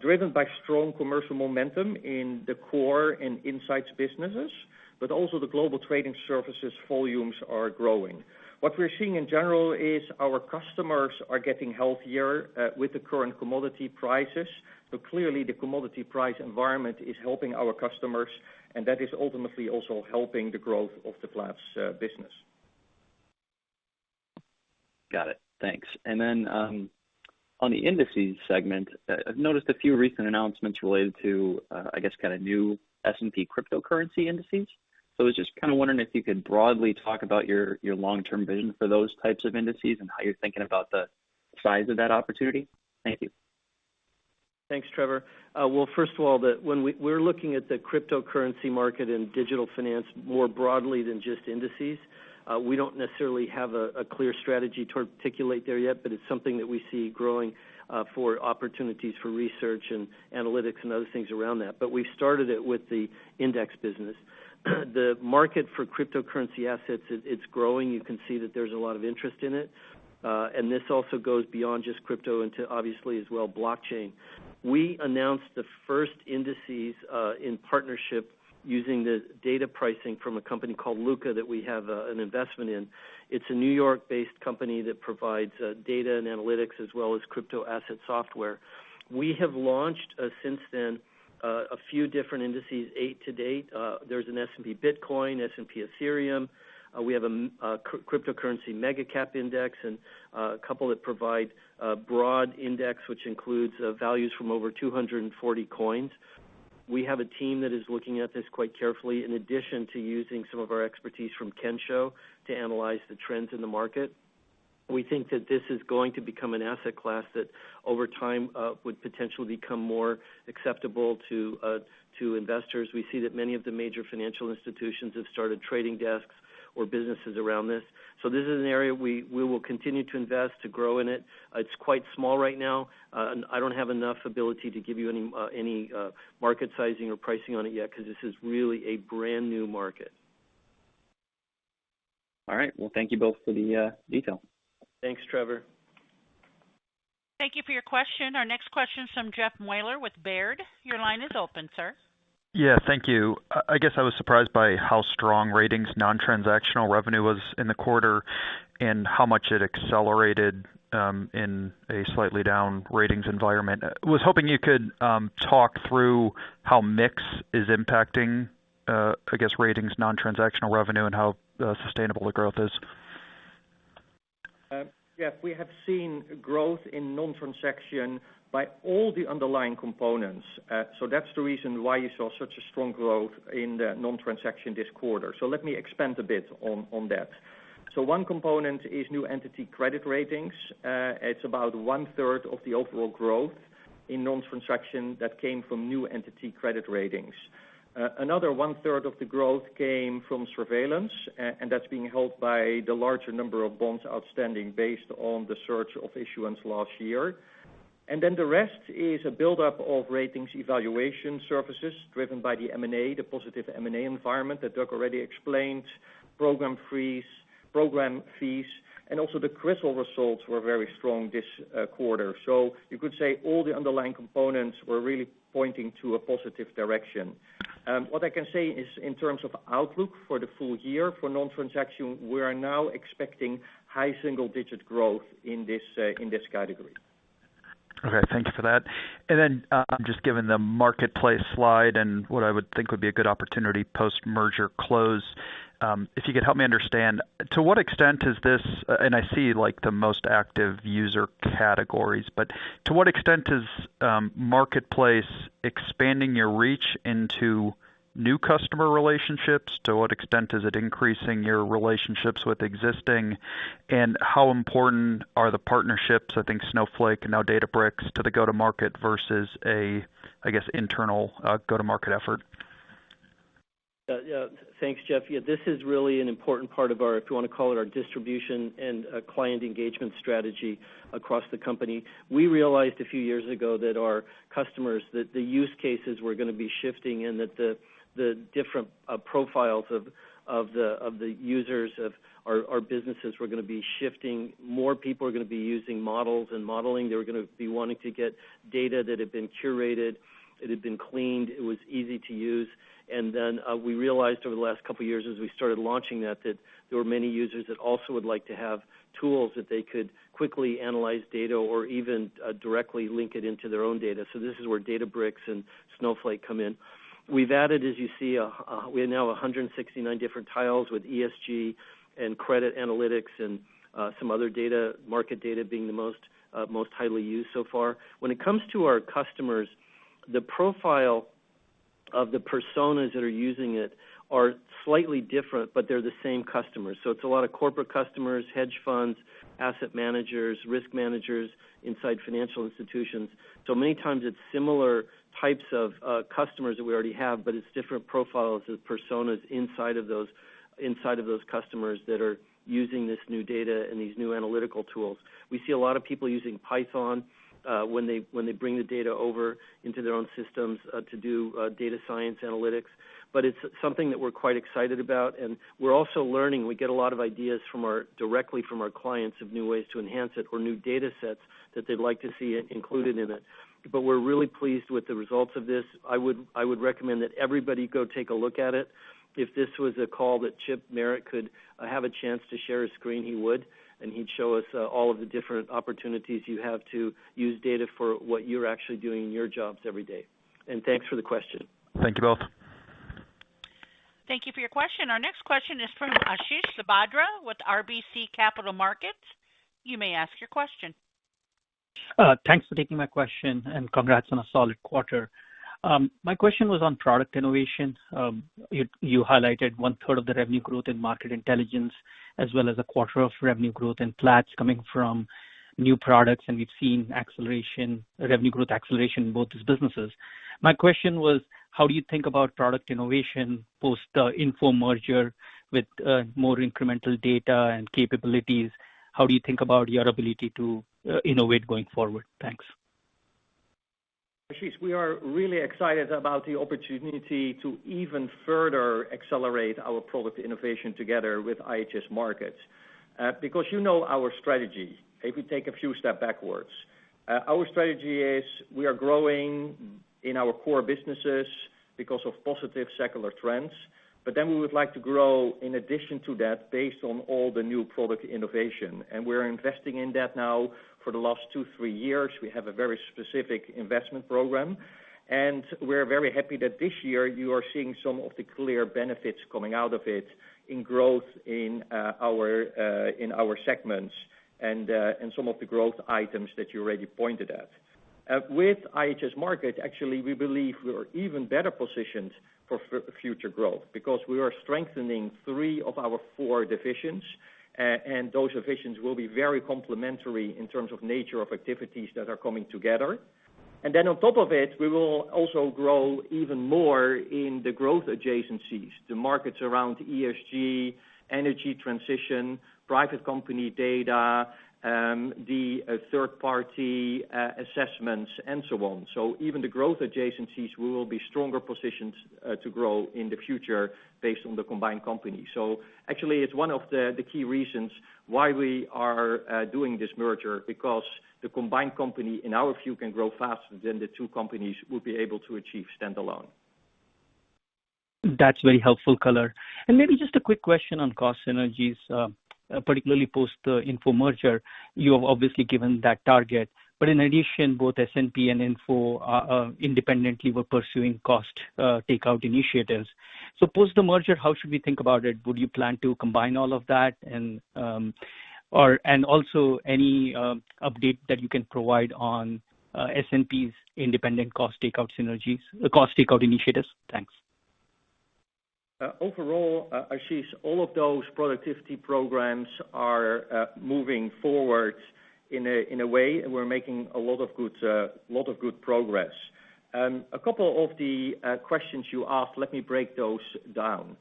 driven by strong commercial momentum in the core and insights businesses, but also the global trading services volumes are growing. What we're seeing in general is our customers are getting healthier with the current commodity prices. Clearly the commodity price environment is helping our customers, and that is ultimately also helping the growth of the Platts business. Got it, thanks. On the indices segment, I've noticed a few recent announcements related to, I guess, kind of new S&P cryptocurrency indices. I was just kind of wondering if you could broadly talk about your long-term vision for those types of indices and how you're thinking about the size of that opportunity. Thank you. Thanks, Trevor. First of all, we're looking at the cryptocurrency market and digital finance more broadly than just indices. We don't necessarily have a clear strategy to articulate there yet. It's something that we see growing for opportunities for research and analytics and other things around that. We started it with the index business. The market for cryptocurrency assets, it's growing. You can see that there's a lot of interest in it. This also goes beyond just crypto into obviously as well, blockchain. We announced the first indices in partnership using the data pricing from a company called Lukka that we have an investment in. It's a New York-based company that provides data and analytics as well as crypto asset software. We have launched since then a few different indices, eight to date. There's an S&P Bitcoin, S&P Ethereum. We have a cryptocurrency mega cap index and a couple that provide a broad index which includes values from over 240 coins. We have a team that is looking at this quite carefully in addition to using some of our expertise from Kensho to analyze the trends in the market. We think that this is going to become an asset class that over time would potentially become more acceptable to investors. We see that many of the major financial institutions have started trading desks or businesses around this. This is an area we will continue to invest to grow in it. It's quite small right now. I don't have enough ability to give you any market sizing or pricing on it yet, because this is really a brand-new market. All right. Well, thank you both for the detail. Thanks, Trevor. Thank you for your question. Our next question is from Jeff Meuler with Baird. Your line is open, sir. Yeah, thank you. I guess I was surprised by how strong ratings non-transactional revenue was in the quarter and how much it accelerated in a slightly down ratings environment. Was hoping you could talk through how mix is impacting, I guess, ratings non-transactional revenue and how sustainable the growth is. Jeff, we have seen growth in non-transaction by all the underlying components. That's the reason why you saw such a strong growth in the non-transaction this quarter. Let me expand a bit on that. One component is new entity credit ratings. It's about one-third of the overall growth in non-transaction that came from new entity credit ratings. Another one-third of the growth came from surveillance, that's being held by the larger number of bonds outstanding based on the surge of issuance last year. The rest is a buildup of ratings evaluation services driven by the M&A, the positive M&A environment that Doug already explained, program fees, and also the CRISIL results were very strong this quarter. You could say all the underlying components were really pointing to a positive direction. What I can say is in terms of outlook for the full year for non-transaction, we are now expecting high single-digit growth in this category. Okay, thank you for that. Then just given the Marketplace slide and what I would think would be a good opportunity post merger close, if you could help me understand, and I see like the most active user categories, but to what extent is Marketplace expanding your reach into new customer relationships? To what extent is it increasing your relationships with existing? How important are the partnerships, I think Snowflake and now Databricks, to the go-to-market versus a, I guess, internal go-to-market effort? Yeah. Thanks, Jeff. Yeah, this is really an important part of our, if you want to call it, our distribution and client engagement strategy across the company. We realized a few years ago that our customers, that the use cases were going to be shifting and that the different profiles of the users of our businesses were going to be shifting. More people are going to be using models and modeling, they were going to be wanting to get data that had been curated, it had been cleaned, it was easy to use. We realized over the last couple of years as we started launching that there were many users that also would like to have tools that they could quickly analyze data or even directly link it into their own data. This is where Databricks and Snowflake come in. We've added, as you see, we have now 169 different tiles with ESG and credit analytics and some other market data being the most highly used so far. When it comes to our customers, the profile of the personas that are using it are slightly different, but they're the same customers. It's a lot of corporate customers, hedge funds, asset managers, risk managers inside financial institutions. Many times it's similar types of customers that we already have, but it's different profiles of personas inside of those customers that are using this new data and these new analytical tools. We see a lot of people using Python when they bring the data over into their own systems to do data science analytics, but it's something that we're quite excited about. We're also learning. We get a lot of ideas directly from our clients of new ways to enhance it or new datasets that they'd like to see included in it. We're really pleased with the results of this. I would recommend that everybody go take a look at it. If this was a call that Chip Merritt could have a chance to share a screen, he would, and he'd show us all of the different opportunities you have to use data for what you're actually doing in your jobs every day. Thanks for the question. Thank you both. Thank you for your question. Our next question is from Ashish Sabadra with RBC Capital Markets. You may ask your question. Thanks for taking my question, and congrats on a solid quarter. My question was on product innovation. You highlighted one-third of the revenue growth in Market Intelligence, as well as a quarter of revenue growth in Platts coming from new products, and we've seen revenue growth acceleration in both these businesses. My question was, how do you think about product innovation post the IHS Markit merger with more incremental data and capabilities? How do you think about your ability to innovate going forward? Thanks. Ashish, we are really excited about the opportunity to even further accelerate our product innovation together with IHS Markit. You know our strategy. If we take a few steps backwards. Our strategy is we are growing in our core businesses because of positive secular trends. We would like to grow in addition to that based on all the new product innovation. We're investing in that now for the last two, three years. We have a very specific investment program. We are very happy that this year you are seeing some of the clear benefits coming out of it in growth in our segments and some of the growth items that you already pointed at. With IHS Markit, actually, we believe we are even better positioned for future growth because we are strengthening three of our four divisions, and those divisions will be very complementary in terms of nature of activities that are coming together. On top of it, we will also grow even more in the growth adjacencies, the markets around ESG, energy transition, private company data, the third-party assessments, and so on. Even the growth adjacencies, we will be stronger positioned to grow in the future based on the combined company. Actually, it's one of the key reasons why we are doing this merger, because the combined company, in our view, can grow faster than the two companies will be able to achieve standalone. That's very helpful color. Maybe just a quick question on cost synergies, particularly post the IHS Markit merger. You have obviously given that target, but in addition, both S&P and IHS Markit independently were pursuing cost takeout initiatives. Post the merger, how should we think about it? Would you plan to combine all of that? Also any update that you can provide on S&P's independent cost takeout synergies, cost takeout initiatives? Thanks. Overall, Ashish, all of those productivity programs are moving forward in a way, and we're making a lot of good progress. A couple of the questions you asked, let me break those down.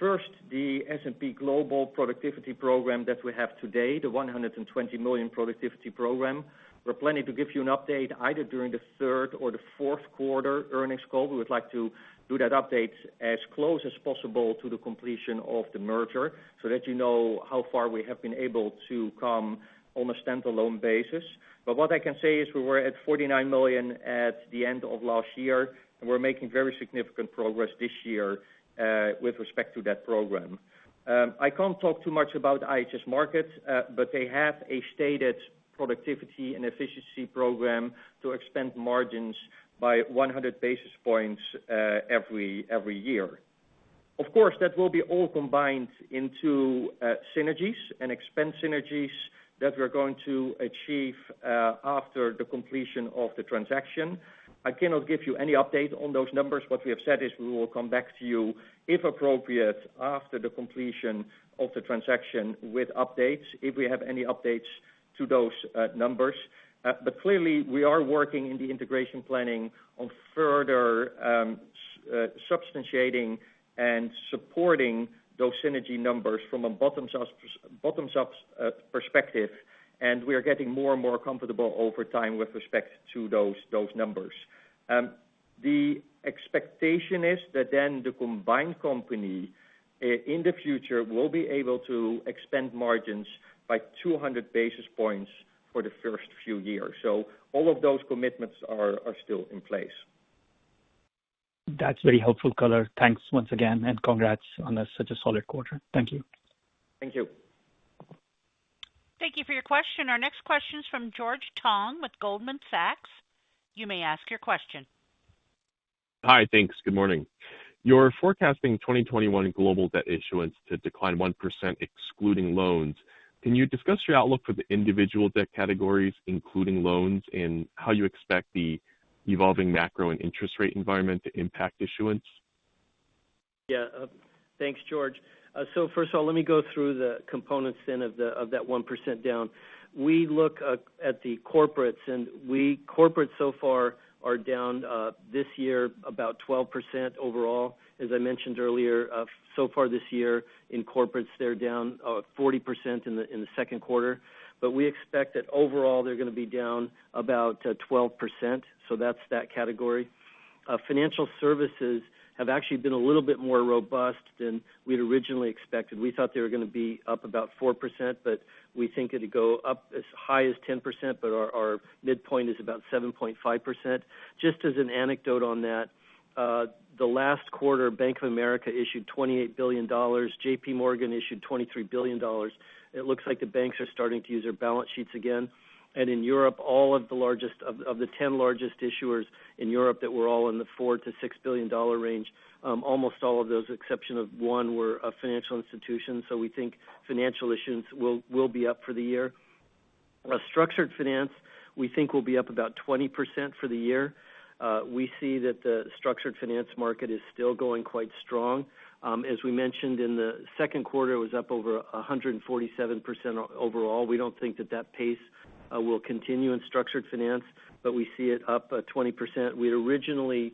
First, the S&P Global productivity program that we have today, the $120 million productivity program. We're planning to give you an update either during the third or the fourth quarter earnings call. We would like to do that update as close as possible to the completion of the merger so that you know how far we have been able to come on a standalone basis. What I can say is we were at $49 million at the end of last year, and we're making very significant progress this year with respect to that program. I can't talk too much about IHS Markit, but they have a stated productivity and efficiency program to expand margins by 100 basis points every year. That will be all combined into synergies and expense synergies that we're going to achieve after the completion of the transaction. I cannot give you any update on those numbers. What we have said is we will come back to you, if appropriate, after the completion of the transaction with updates, if we have any updates to those numbers. Clearly we are working in the integration planning on further substantiating and supporting those synergy numbers from a bottoms-up perspective, and we are getting more and more comfortable over time with respect to those numbers. The expectation is that then the combined company, in the future, will be able to expand margins by 200 basis points for the first few years. All of those commitments are still in place. That's very helpful color. Thanks once again, and congrats on such a solid quarter. Thank you. Thank you. Thank you for your question. Our next question is from George Tong with Goldman Sachs. You may ask your question. Hi. Thanks, good morning. You're forecasting 2021 global debt issuance to decline 1%, excluding loans. Can you discuss your outlook for the individual debt categories, including loans, and how you expect the evolving macro and interest rate environment to impact issuance? Yeah. Thanks, George. First of all, let me go through the components then of that 1% down. We look at the corporates, and corporates so far are down this year about 12% overall. As I mentioned earlier, so far this year in corporates, they're down 40% in the second quarter. We expect that overall, they're going to be down about 12%. That's that category. Financial services have actually been a little bit more robust than we'd originally expected. We thought they were going to be up about 4%, but we think it'd go up as high as 10%, but our midpoint is about 7.5%. Just as an anecdote on that, the last quarter, Bank of America issued $28 billion, JPMorgan issued $23 billion. It looks like the banks are starting to use their balance sheets again. In Europe, all of the 10 largest issuers in Europe that were all in the $4 billion-$6 billion range, almost all of those, exception of one, were financial institutions. We think financial issuance will be up for the year. Structured finance, we think will be up about 20% for the year. We see that the structured finance market is still going quite strong. As we mentioned, in the second quarter, it was up over 147% overall. We don't think that that pace will continue in structured finance, but we see it up 20%. We had originally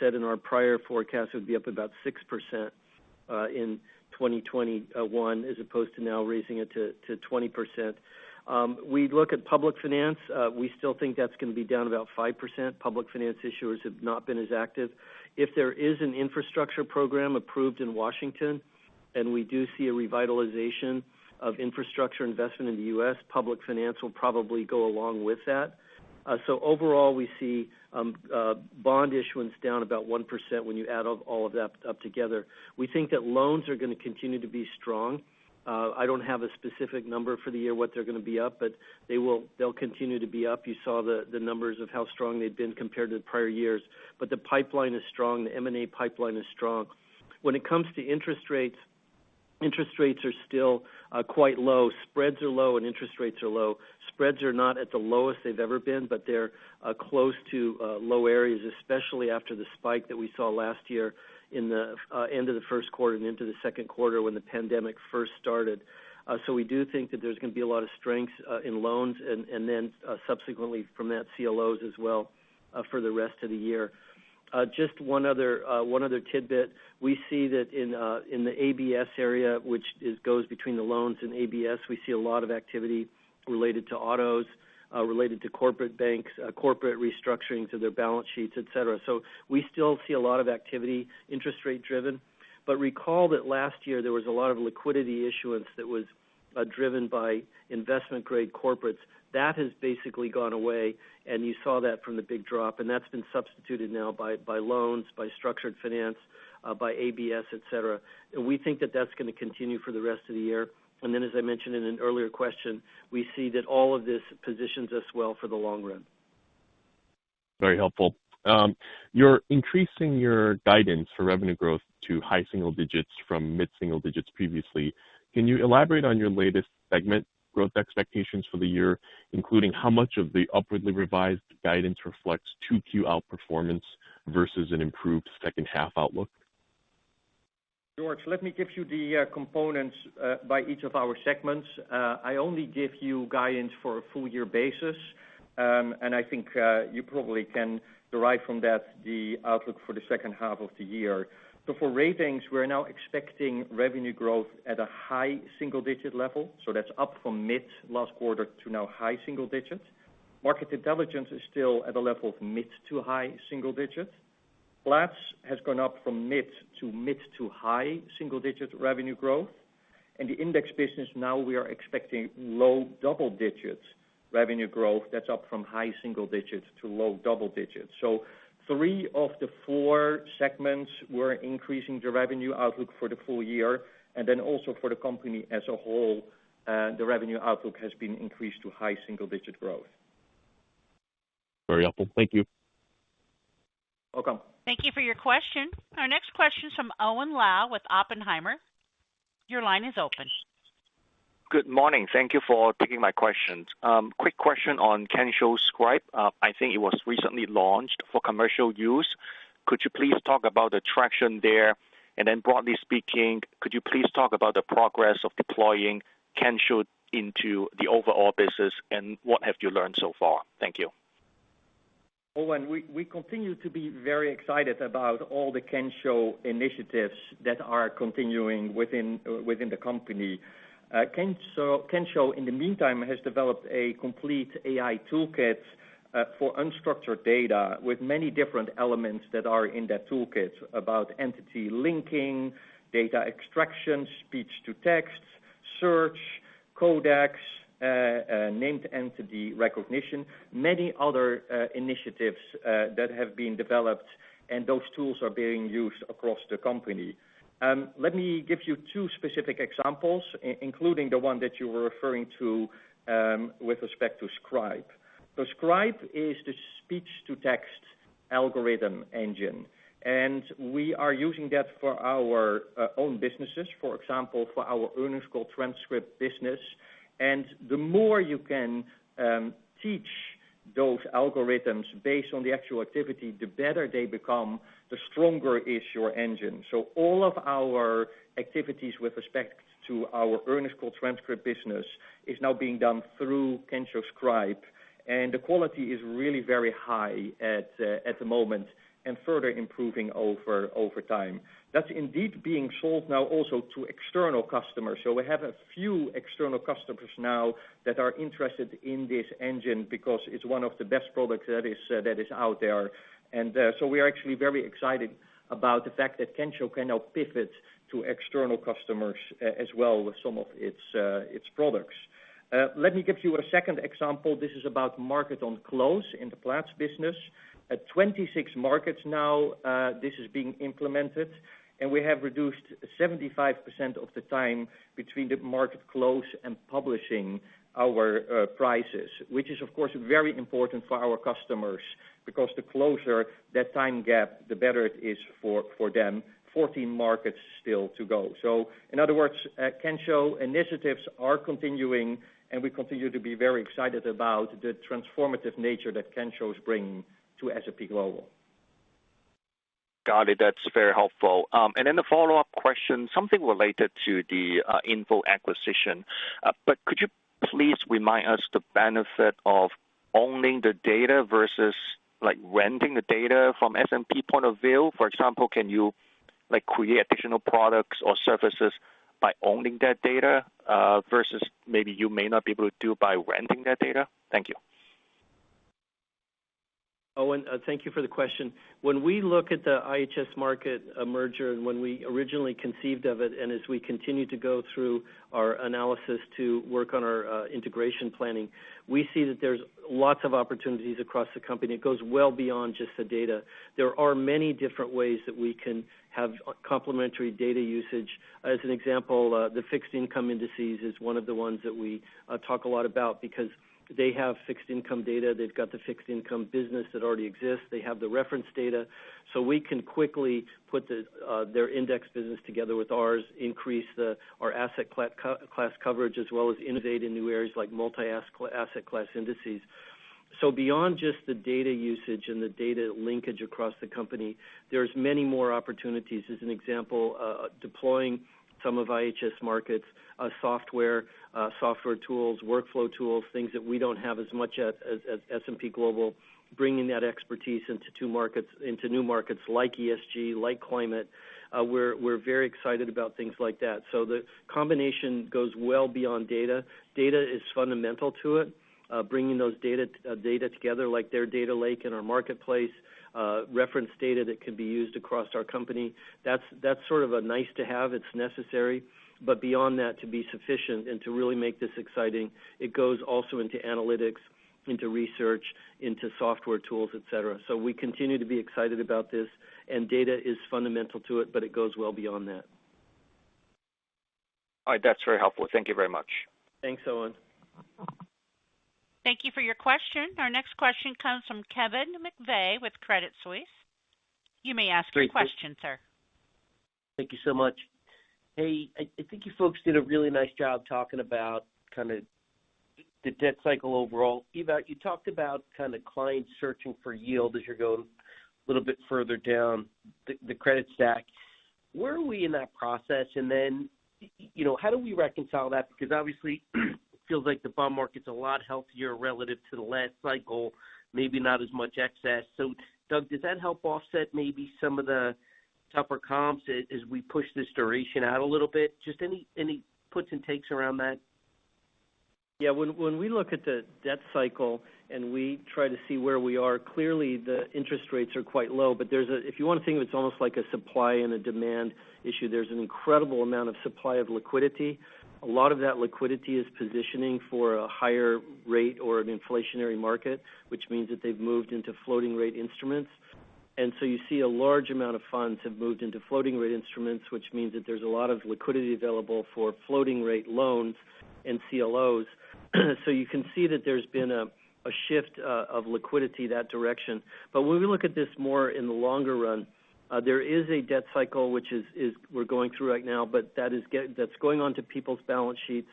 said in our prior forecast it would be up about 6% in 2021 as opposed to now raising it to 20%. We look at public finance. We still think that's going to be down about 5%. Public finance issuers have not been as active. If there is an infrastructure program approved in Washington, and we do see a revitalization of infrastructure investment in the U.S., public finance will probably go along with that. Overall, we see bond issuance down about 1% when you add all of that up together. We think that loans are going to continue to be strong. I don't have a specific number for the year, what they're going to be up, but they'll continue to be up. You saw the numbers of how strong they've been compared to the prior years. The pipeline is strong. The M&A pipeline is strong. When it comes to interest rates Interest rates are still quite low. Spreads are low and interest rates are low. Spreads are not at the lowest they've ever been, but they're close to low areas, especially after the spike that we saw last year into the first quarter and into the second quarter when the pandemic first started. We do think that there's going to be a lot of strength in loans and then subsequently from that, CLOs as well, for the rest of the year. Just one other tidbit. We see that in the ABS area, which goes between the loans and ABS, we see a lot of activity related to autos, related to corporate banks, corporate restructurings of their balance sheets, et cetera. We still see a lot of activity, interest rate-driven. Recall that last year there was a lot of liquidity issuance that was driven by investment-grade corporates. That has basically gone away, and you saw that from the big drop, and that's been substituted now by loans, by structured finance, by ABS, et cetera. We think that that's going to continue for the rest of the year. Then, as I mentioned in an earlier question, we see that all of this positions us well for the long run. Very helpful. You're increasing your guidance for revenue growth to high single digits from mid-single digits previously. Can you elaborate on your latest segment growth expectations for the year, including how much of the upwardly revised guidance reflects 2Q outperformance versus an improved second half outlook? George, let me give you the components by each of our segments. I only give you guidance for a full-year basis. I think you probably can derive from that the outlook for the second half of the year. For Ratings, we're now expecting revenue growth at a high single-digit level, that's up from mid last quarter to now high single digits. Market Intelligence is still at a level of mid to high single digits. Platts has gone up from mid to mid to high single-digit revenue growth. In the Index business, now we are expecting low double digits revenue growth. That's up from high single digits to low double digits. three of the four segments, we're increasing the revenue outlook for the full year. Then also for the company as a whole, the revenue outlook has been increased to high single-digit growth. Very helpful. Thank you. Welcome. Thank you for your question. Our next question is from Owen Lau with Oppenheimer. Your line is open. Good morning. Thank you for taking my questions. Quick question on Kensho Scribe, I think it was recently launched for commercial use. Could you please talk about the traction there? Then broadly speaking, could you please talk about the progress of deploying Kensho into the overall business, and what have you learned so far? Thank you. Owen, we continue to be very excited about all the Kensho initiatives that are continuing within the company. Kensho, in the meantime, has developed a complete AI toolkit for unstructured data with many different elements that are in that toolkit about entity linking, data extraction, speech to text, search, codecs, named entity recognition, many other initiatives that have been developed, and those tools are being used across the company. Let me give you two specific examples, including the one that you were referring to with respect to Scribe. Scribe is the speech-to-text algorithm engine, and we are using that for our own businesses, for example, for our earnings call transcript business. The more you can teach those algorithms based on the actual activity, the better they become, the stronger is your engine. All of our activities with respect to our earnings call transcript business is now being done through Kensho Scribe, and the quality is really very high at the moment and further improving over time. That's indeed being sold now also to external customers. We have a few external customers now that are interested in this engine because it's one of the best products that is out there. We are actually very excited about the fact that Kensho can now pivot to external customers as well with some of its products. Let me give you a a second example. This is about Market on close in the Platts business. At 26 markets now, this is being implemented, and we have reduced 75% of the time between the market close and publishing our prices, which is, of course, very important for our customers, because the closer that time gap, the better it is for them. 14 markets still to go. In other words, Kensho initiatives are continuing, and we continue to be very excited about the transformative nature that Kensho is bringing to S&P Global. Got it, that's very helpful. In a follow up question, something related to input aquisition, could you please remind us the benefit of owning the data versus renting the data from S&P point of view, something related to the IHS Markit acquisition? For example, can you create additional products or services by owning that data versus maybe you may not be able to do by renting that data? Thank you. Owen, thank you for the question. When we look at the IHS Markit merger and when we originally conceived of it, and as we continue to go through our analysis to work on our integration planning, we see that there's lots of opportunities across the company. It goes well beyond just the data. There are many different ways that we can have complementary data usage. As an example, the fixed income indices is one of the ones that we talk a lot about because they have fixed income data. They've got the fixed income business that already exists. They have the reference data. We can quickly put their index business together with ours, increase our asset class coverage, as well as innovate in new areas like multi-asset class indices. Beyond just the data usage and the data linkage across the company, there's many more opportunities. As an example, deploying some of IHS Markit's software tools, workflow tools, things that we don't have as much at S&P Global, bringing that expertise into new markets like ESG, like climate. We're very excited about things like that. The combination goes well beyond data. Data is fundamental to it. Bringing those data together, like their data lake in our Marketplace, reference data that can be used across our company. That's sort of a nice-to-have. It's necessary. Beyond that, to be sufficient and to really make this exciting, it goes also into analytics, into research, into software tools, et cetera. We continue to be excited about this, and data is fundamental to it, but it goes well beyond that. All right, that's very helpful. Thank you very much. Thanks, Owen. Thank you for your question. Our next question comes from Kevin McVeigh with Credit Suisse. You may ask your question, sir. Thank you so much. Hey, I think you folks did a really nice job talking about the debt cycle overall. Ewout Steenbergen, you talked about client searching for yield as you're going a little bit further down the credit stack. Where are we in that process, and then how do we reconcile that? Because obviously, it feels like the bond market's a lot healthier relative to the last cycle, maybe not as much excess. Doug Peterson, does that help offset maybe some of the tougher comps as we push this duration out a little bit? Just any puts and takes around that? Yeah. When we look at the debt cycle and we try to see where we are, clearly the interest rates are quite low. If you want to think of it's almost like a supply and a demand issue. There's an incredible amount of supply of liquidity. A lot of that liquidity is positioning for a higher rate or an inflationary market, which means that they've moved into floating rate instruments. You see a large amount of funds have moved into floating rate instruments, which means that there's a lot of liquidity available for floating rate loans and CLOs. You can see that there's been a shift of liquidity that direction. When we look at this more in the longer run, there is a debt cycle, which we're going through right now. That's going onto people's balance sheets.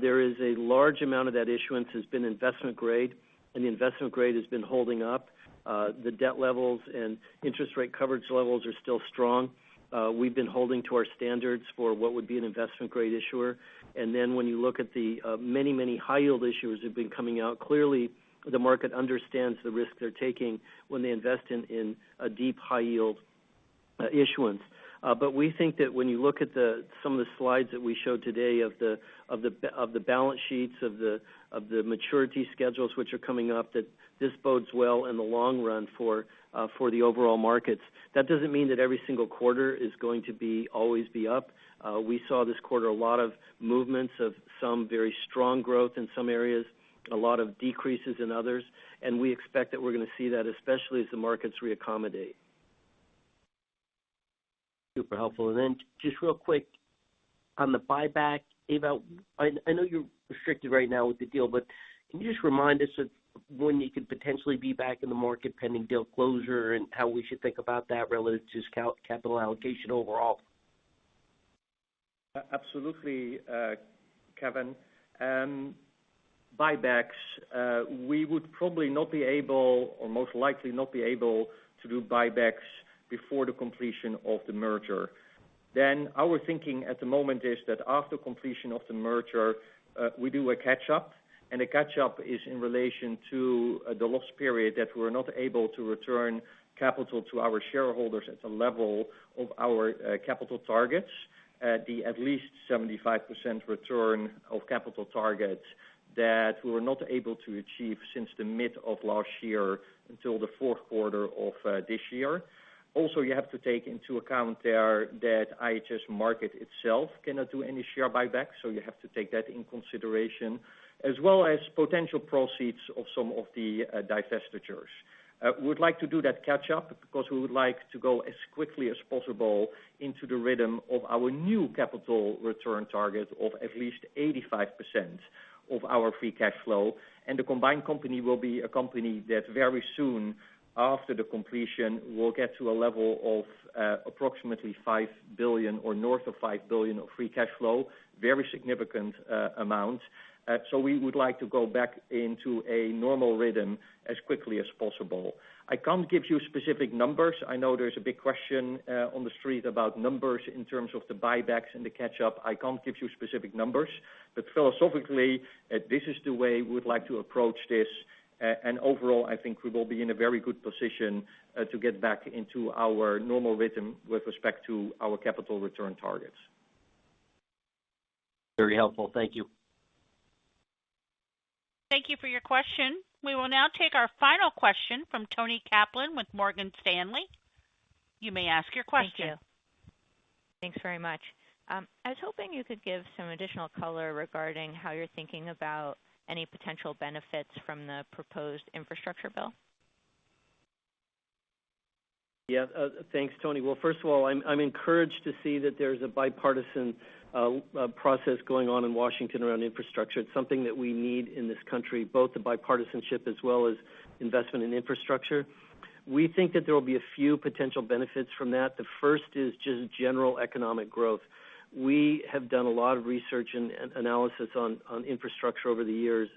There is a large amount of that issuance has been investment-grade, and investment-grade has been holding up. The debt levels and interest rate coverage levels are still strong. We've been holding to our standards for what would be an investment-grade issuer. Then when you look at the many high-yield issuers who've been coming out, clearly the market understands the risk they're taking when they invest in a deep high-yield issuance. We think that when you look at some of the slides that we showed today of the balance sheets, of the maturity schedules which are coming up, that this bodes well in the long run for the overall markets. That doesn't mean that every single quarter is going to always be up. We saw this quarter a lot of movements of some very strong growth in some areas, a lot of decreases in others. We expect that we're going to see that, especially as the markets reaccommodate. Super helpful. Just real quick on the buyback, Ewout, I know you're restricted right now with the deal, but can you just remind us of when you could potentially be back in the market pending deal closure and how we should think about that relative to capital allocation overall? Absolutely, Kevin. Buybacks. We would probably not be able, or most likely not be able to do buybacks before the completion of the merger. Our thinking at the moment is that after completion of the merger, we do a catch-up, and a catch-up is in relation to the lost period that we're not able to return capital to our shareholders at the level of our capital targets. The at least 75% return of capital targets that we were not able to achieve since the mid of last year until the fourth quarter of this year. Also, you have to take into account there that IHS Markit itself cannot do any share buyback. You have to take that into consideration, as well as potential proceeds of some of the divestitures. We would like to do that catch-up because we would like to go as quickly as possible into the rhythm of our new capital return target of at least 85% of our free cash flow. The combined company will be a company that very soon after the completion, will get to a level of approximately $5 billion or north of $5 billion of free cash flow. Very significant amount. We would like to go back into a normal rhythm as quickly as possible. I can't give you specific numbers. I know there's a big question on the street about numbers in terms of the buybacks and the catch-up. I can't give you specific numbers. Philosophically, this is the way we would like to approach this. Overall, I think we will be in a very good position to get back into our normal rhythm with respect to our capital return targets. Very helpful. Thank you. Thank you for your question. We will now take our final question from Toni Kaplan with Morgan Stanley. You may ask your question. Thank you. Thanks very much. I was hoping you could give some additional color regarding how you're thinking about any potential benefits from the proposed infrastructure bill. Yeah. Thanks, Toni. Well, first of all, I'm encouraged to see that there's a bipartisan process going on in Washington around infrastructure. It's something that we need in this country, both the bipartisanship as well as investment in infrastructure. We think that there will be a few potential benefits from that. The first is just general economic growth. We have done a lot of research and analysis on infrastructure over the years.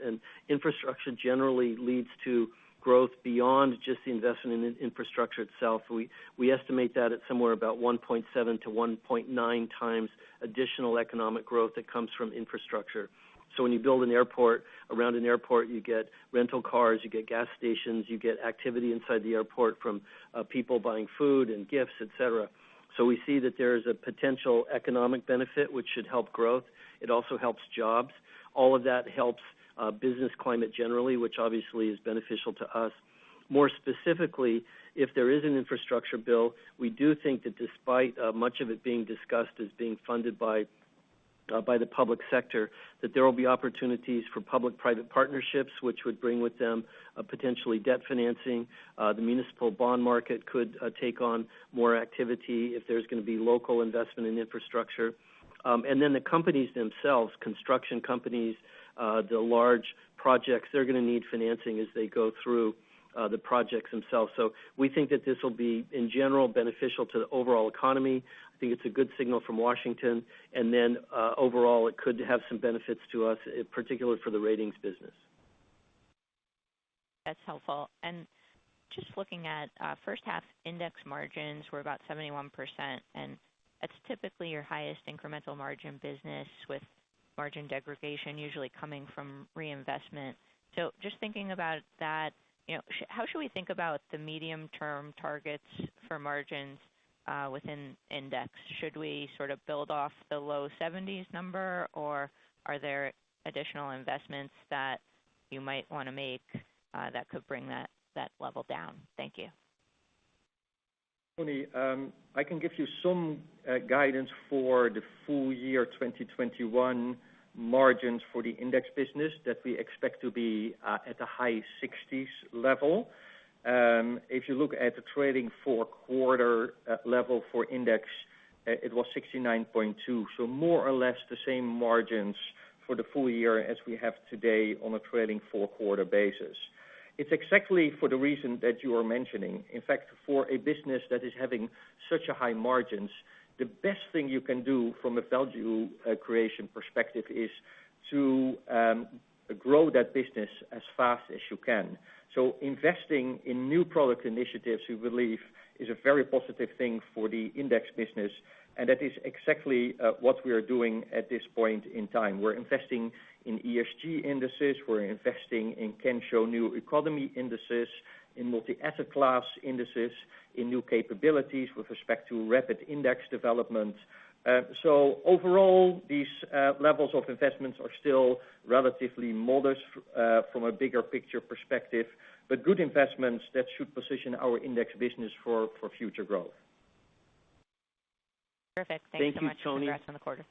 Infrastructure generally leads to growth beyond just the investment in infrastructure itself. We estimate that at somewhere about 1.7 to 1.9 times additional economic growth that comes from infrastructure. When you build an airport, around an airport, you get rental cars, you get gas stations, you get activity inside the airport from people buying food and gifts, et cetera. We see that there is a potential economic benefit, which should help growth. It also helps jobs. All of that helps business climate generally, which obviously is beneficial to us. More specifically, if there is an infrastructure bill, we do think that despite much of it being discussed as being funded by the public sector, that there will be opportunities for public-private partnerships, which would bring with them potentially debt financing. The municipal bond market could take on more activity if there's going to be local investment in infrastructure. The companies themselves, construction companies, the large projects, they're going to need financing as they go through the projects themselves. We think that this will be, in general, beneficial to the overall economy. I think it's a good signal from Washington, and then overall, it could have some benefits to us, in particular for the ratings business. That's helpful. Just looking at first half Index margins were about 71%, and that's typically your highest incremental margin business with margin degradation usually coming from reinvestment. Just thinking about that, how should we think about the medium-term targets for margins within Index? Should we sort of build off the low 70s number, or are there additional investments that you might want to make that could bring that level down? Thank you. Toni, I can give you some guidance for the full year 2021 margins for the Index Business that we expect to be at the high 60s level. If you look at the trailing fouth quarter level for Index, it was 69.2. More or less the same margins for the full year as we have today on a trailing four quarter basis. It's exactly for the reason that you are mentioning. For a business that is having such a high margins, the best thing you can do from a value creation perspective is to grow that business as fast as you can. Investing in new product initiatives, we believe, is a very positive thing for the Index Business, and that is exactly what we are doing at this point in time. We're investing in ESG indices, we're investing in Kensho New Economy Indices, in multi-asset class indices, in new capabilities with respect to rapid index development. overall, these levels of investments are still relatively modest from a bigger picture perspective, but good investments that should position our index business for future growth. Perfect. Thanks so much. Thank you, Toni. Congrats on the quarter.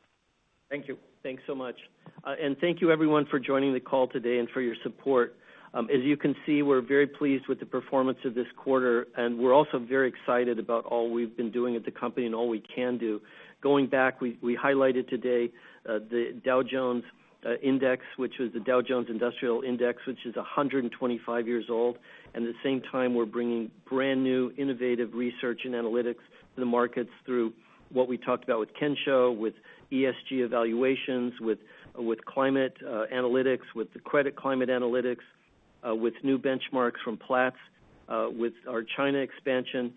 Thank you. Thanks so much. And thank you everyone for joining the call today and for your support. As you can see, we're very pleased with the performance of this quarter, and we're also very excited about all we've been doing at the company and all we can do. Going back, we highlighted today the Dow Jones Indices, which was the Dow Jones Industrial Average, which is 125 years old, and at the same time, we're bringing brand-new innovative research and analytics to the markets through what we talked about with Kensho, with ESG evaluations, with climate analytics, with the Climate Credit Analytics with new benchmarks from Platts, with our China expansion.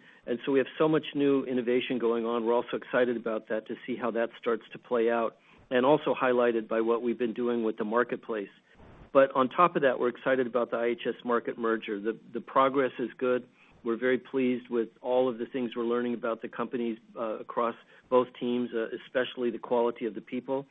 We have so much new innovation going on. We're also excited about that to see how that starts to play out, and also highlighted by what we've been doing with the Marketplace. On top of that, we're excited about the IHS Markit merger. The progress is good. We're very pleased with all of the things we're learning about the companies across both teams, especially the quality of the people.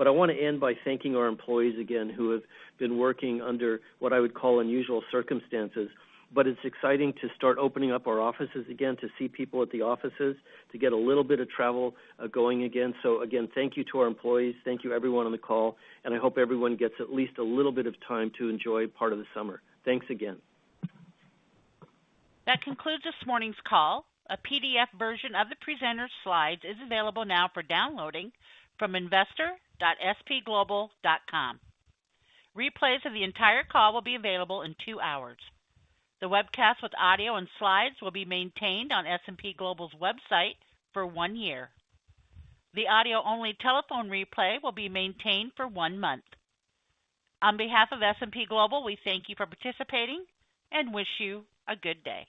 I want to end by thanking our employees again, who have been working under what I would call unusual circumstances. It's exciting to start opening up our offices again, to see people at the offices, to get a little bit of travel going again. Again, thank you to our employees, thank you everyone on the call, and I hope everyone gets at least a little bit of time to enjoy part of the summer. Thanks again. That concludes this morning's call. A PDF version of the presenter's slides is available now for downloading from investor.spglobal.com. Replays of the entire call will be available in two hours. The webcast with audio and slides will be maintained on S&P Global's website for one year. The audio-only telephone replay will be maintained for one month. On behalf of S&P Global, we thank you for participating and wish you a good day.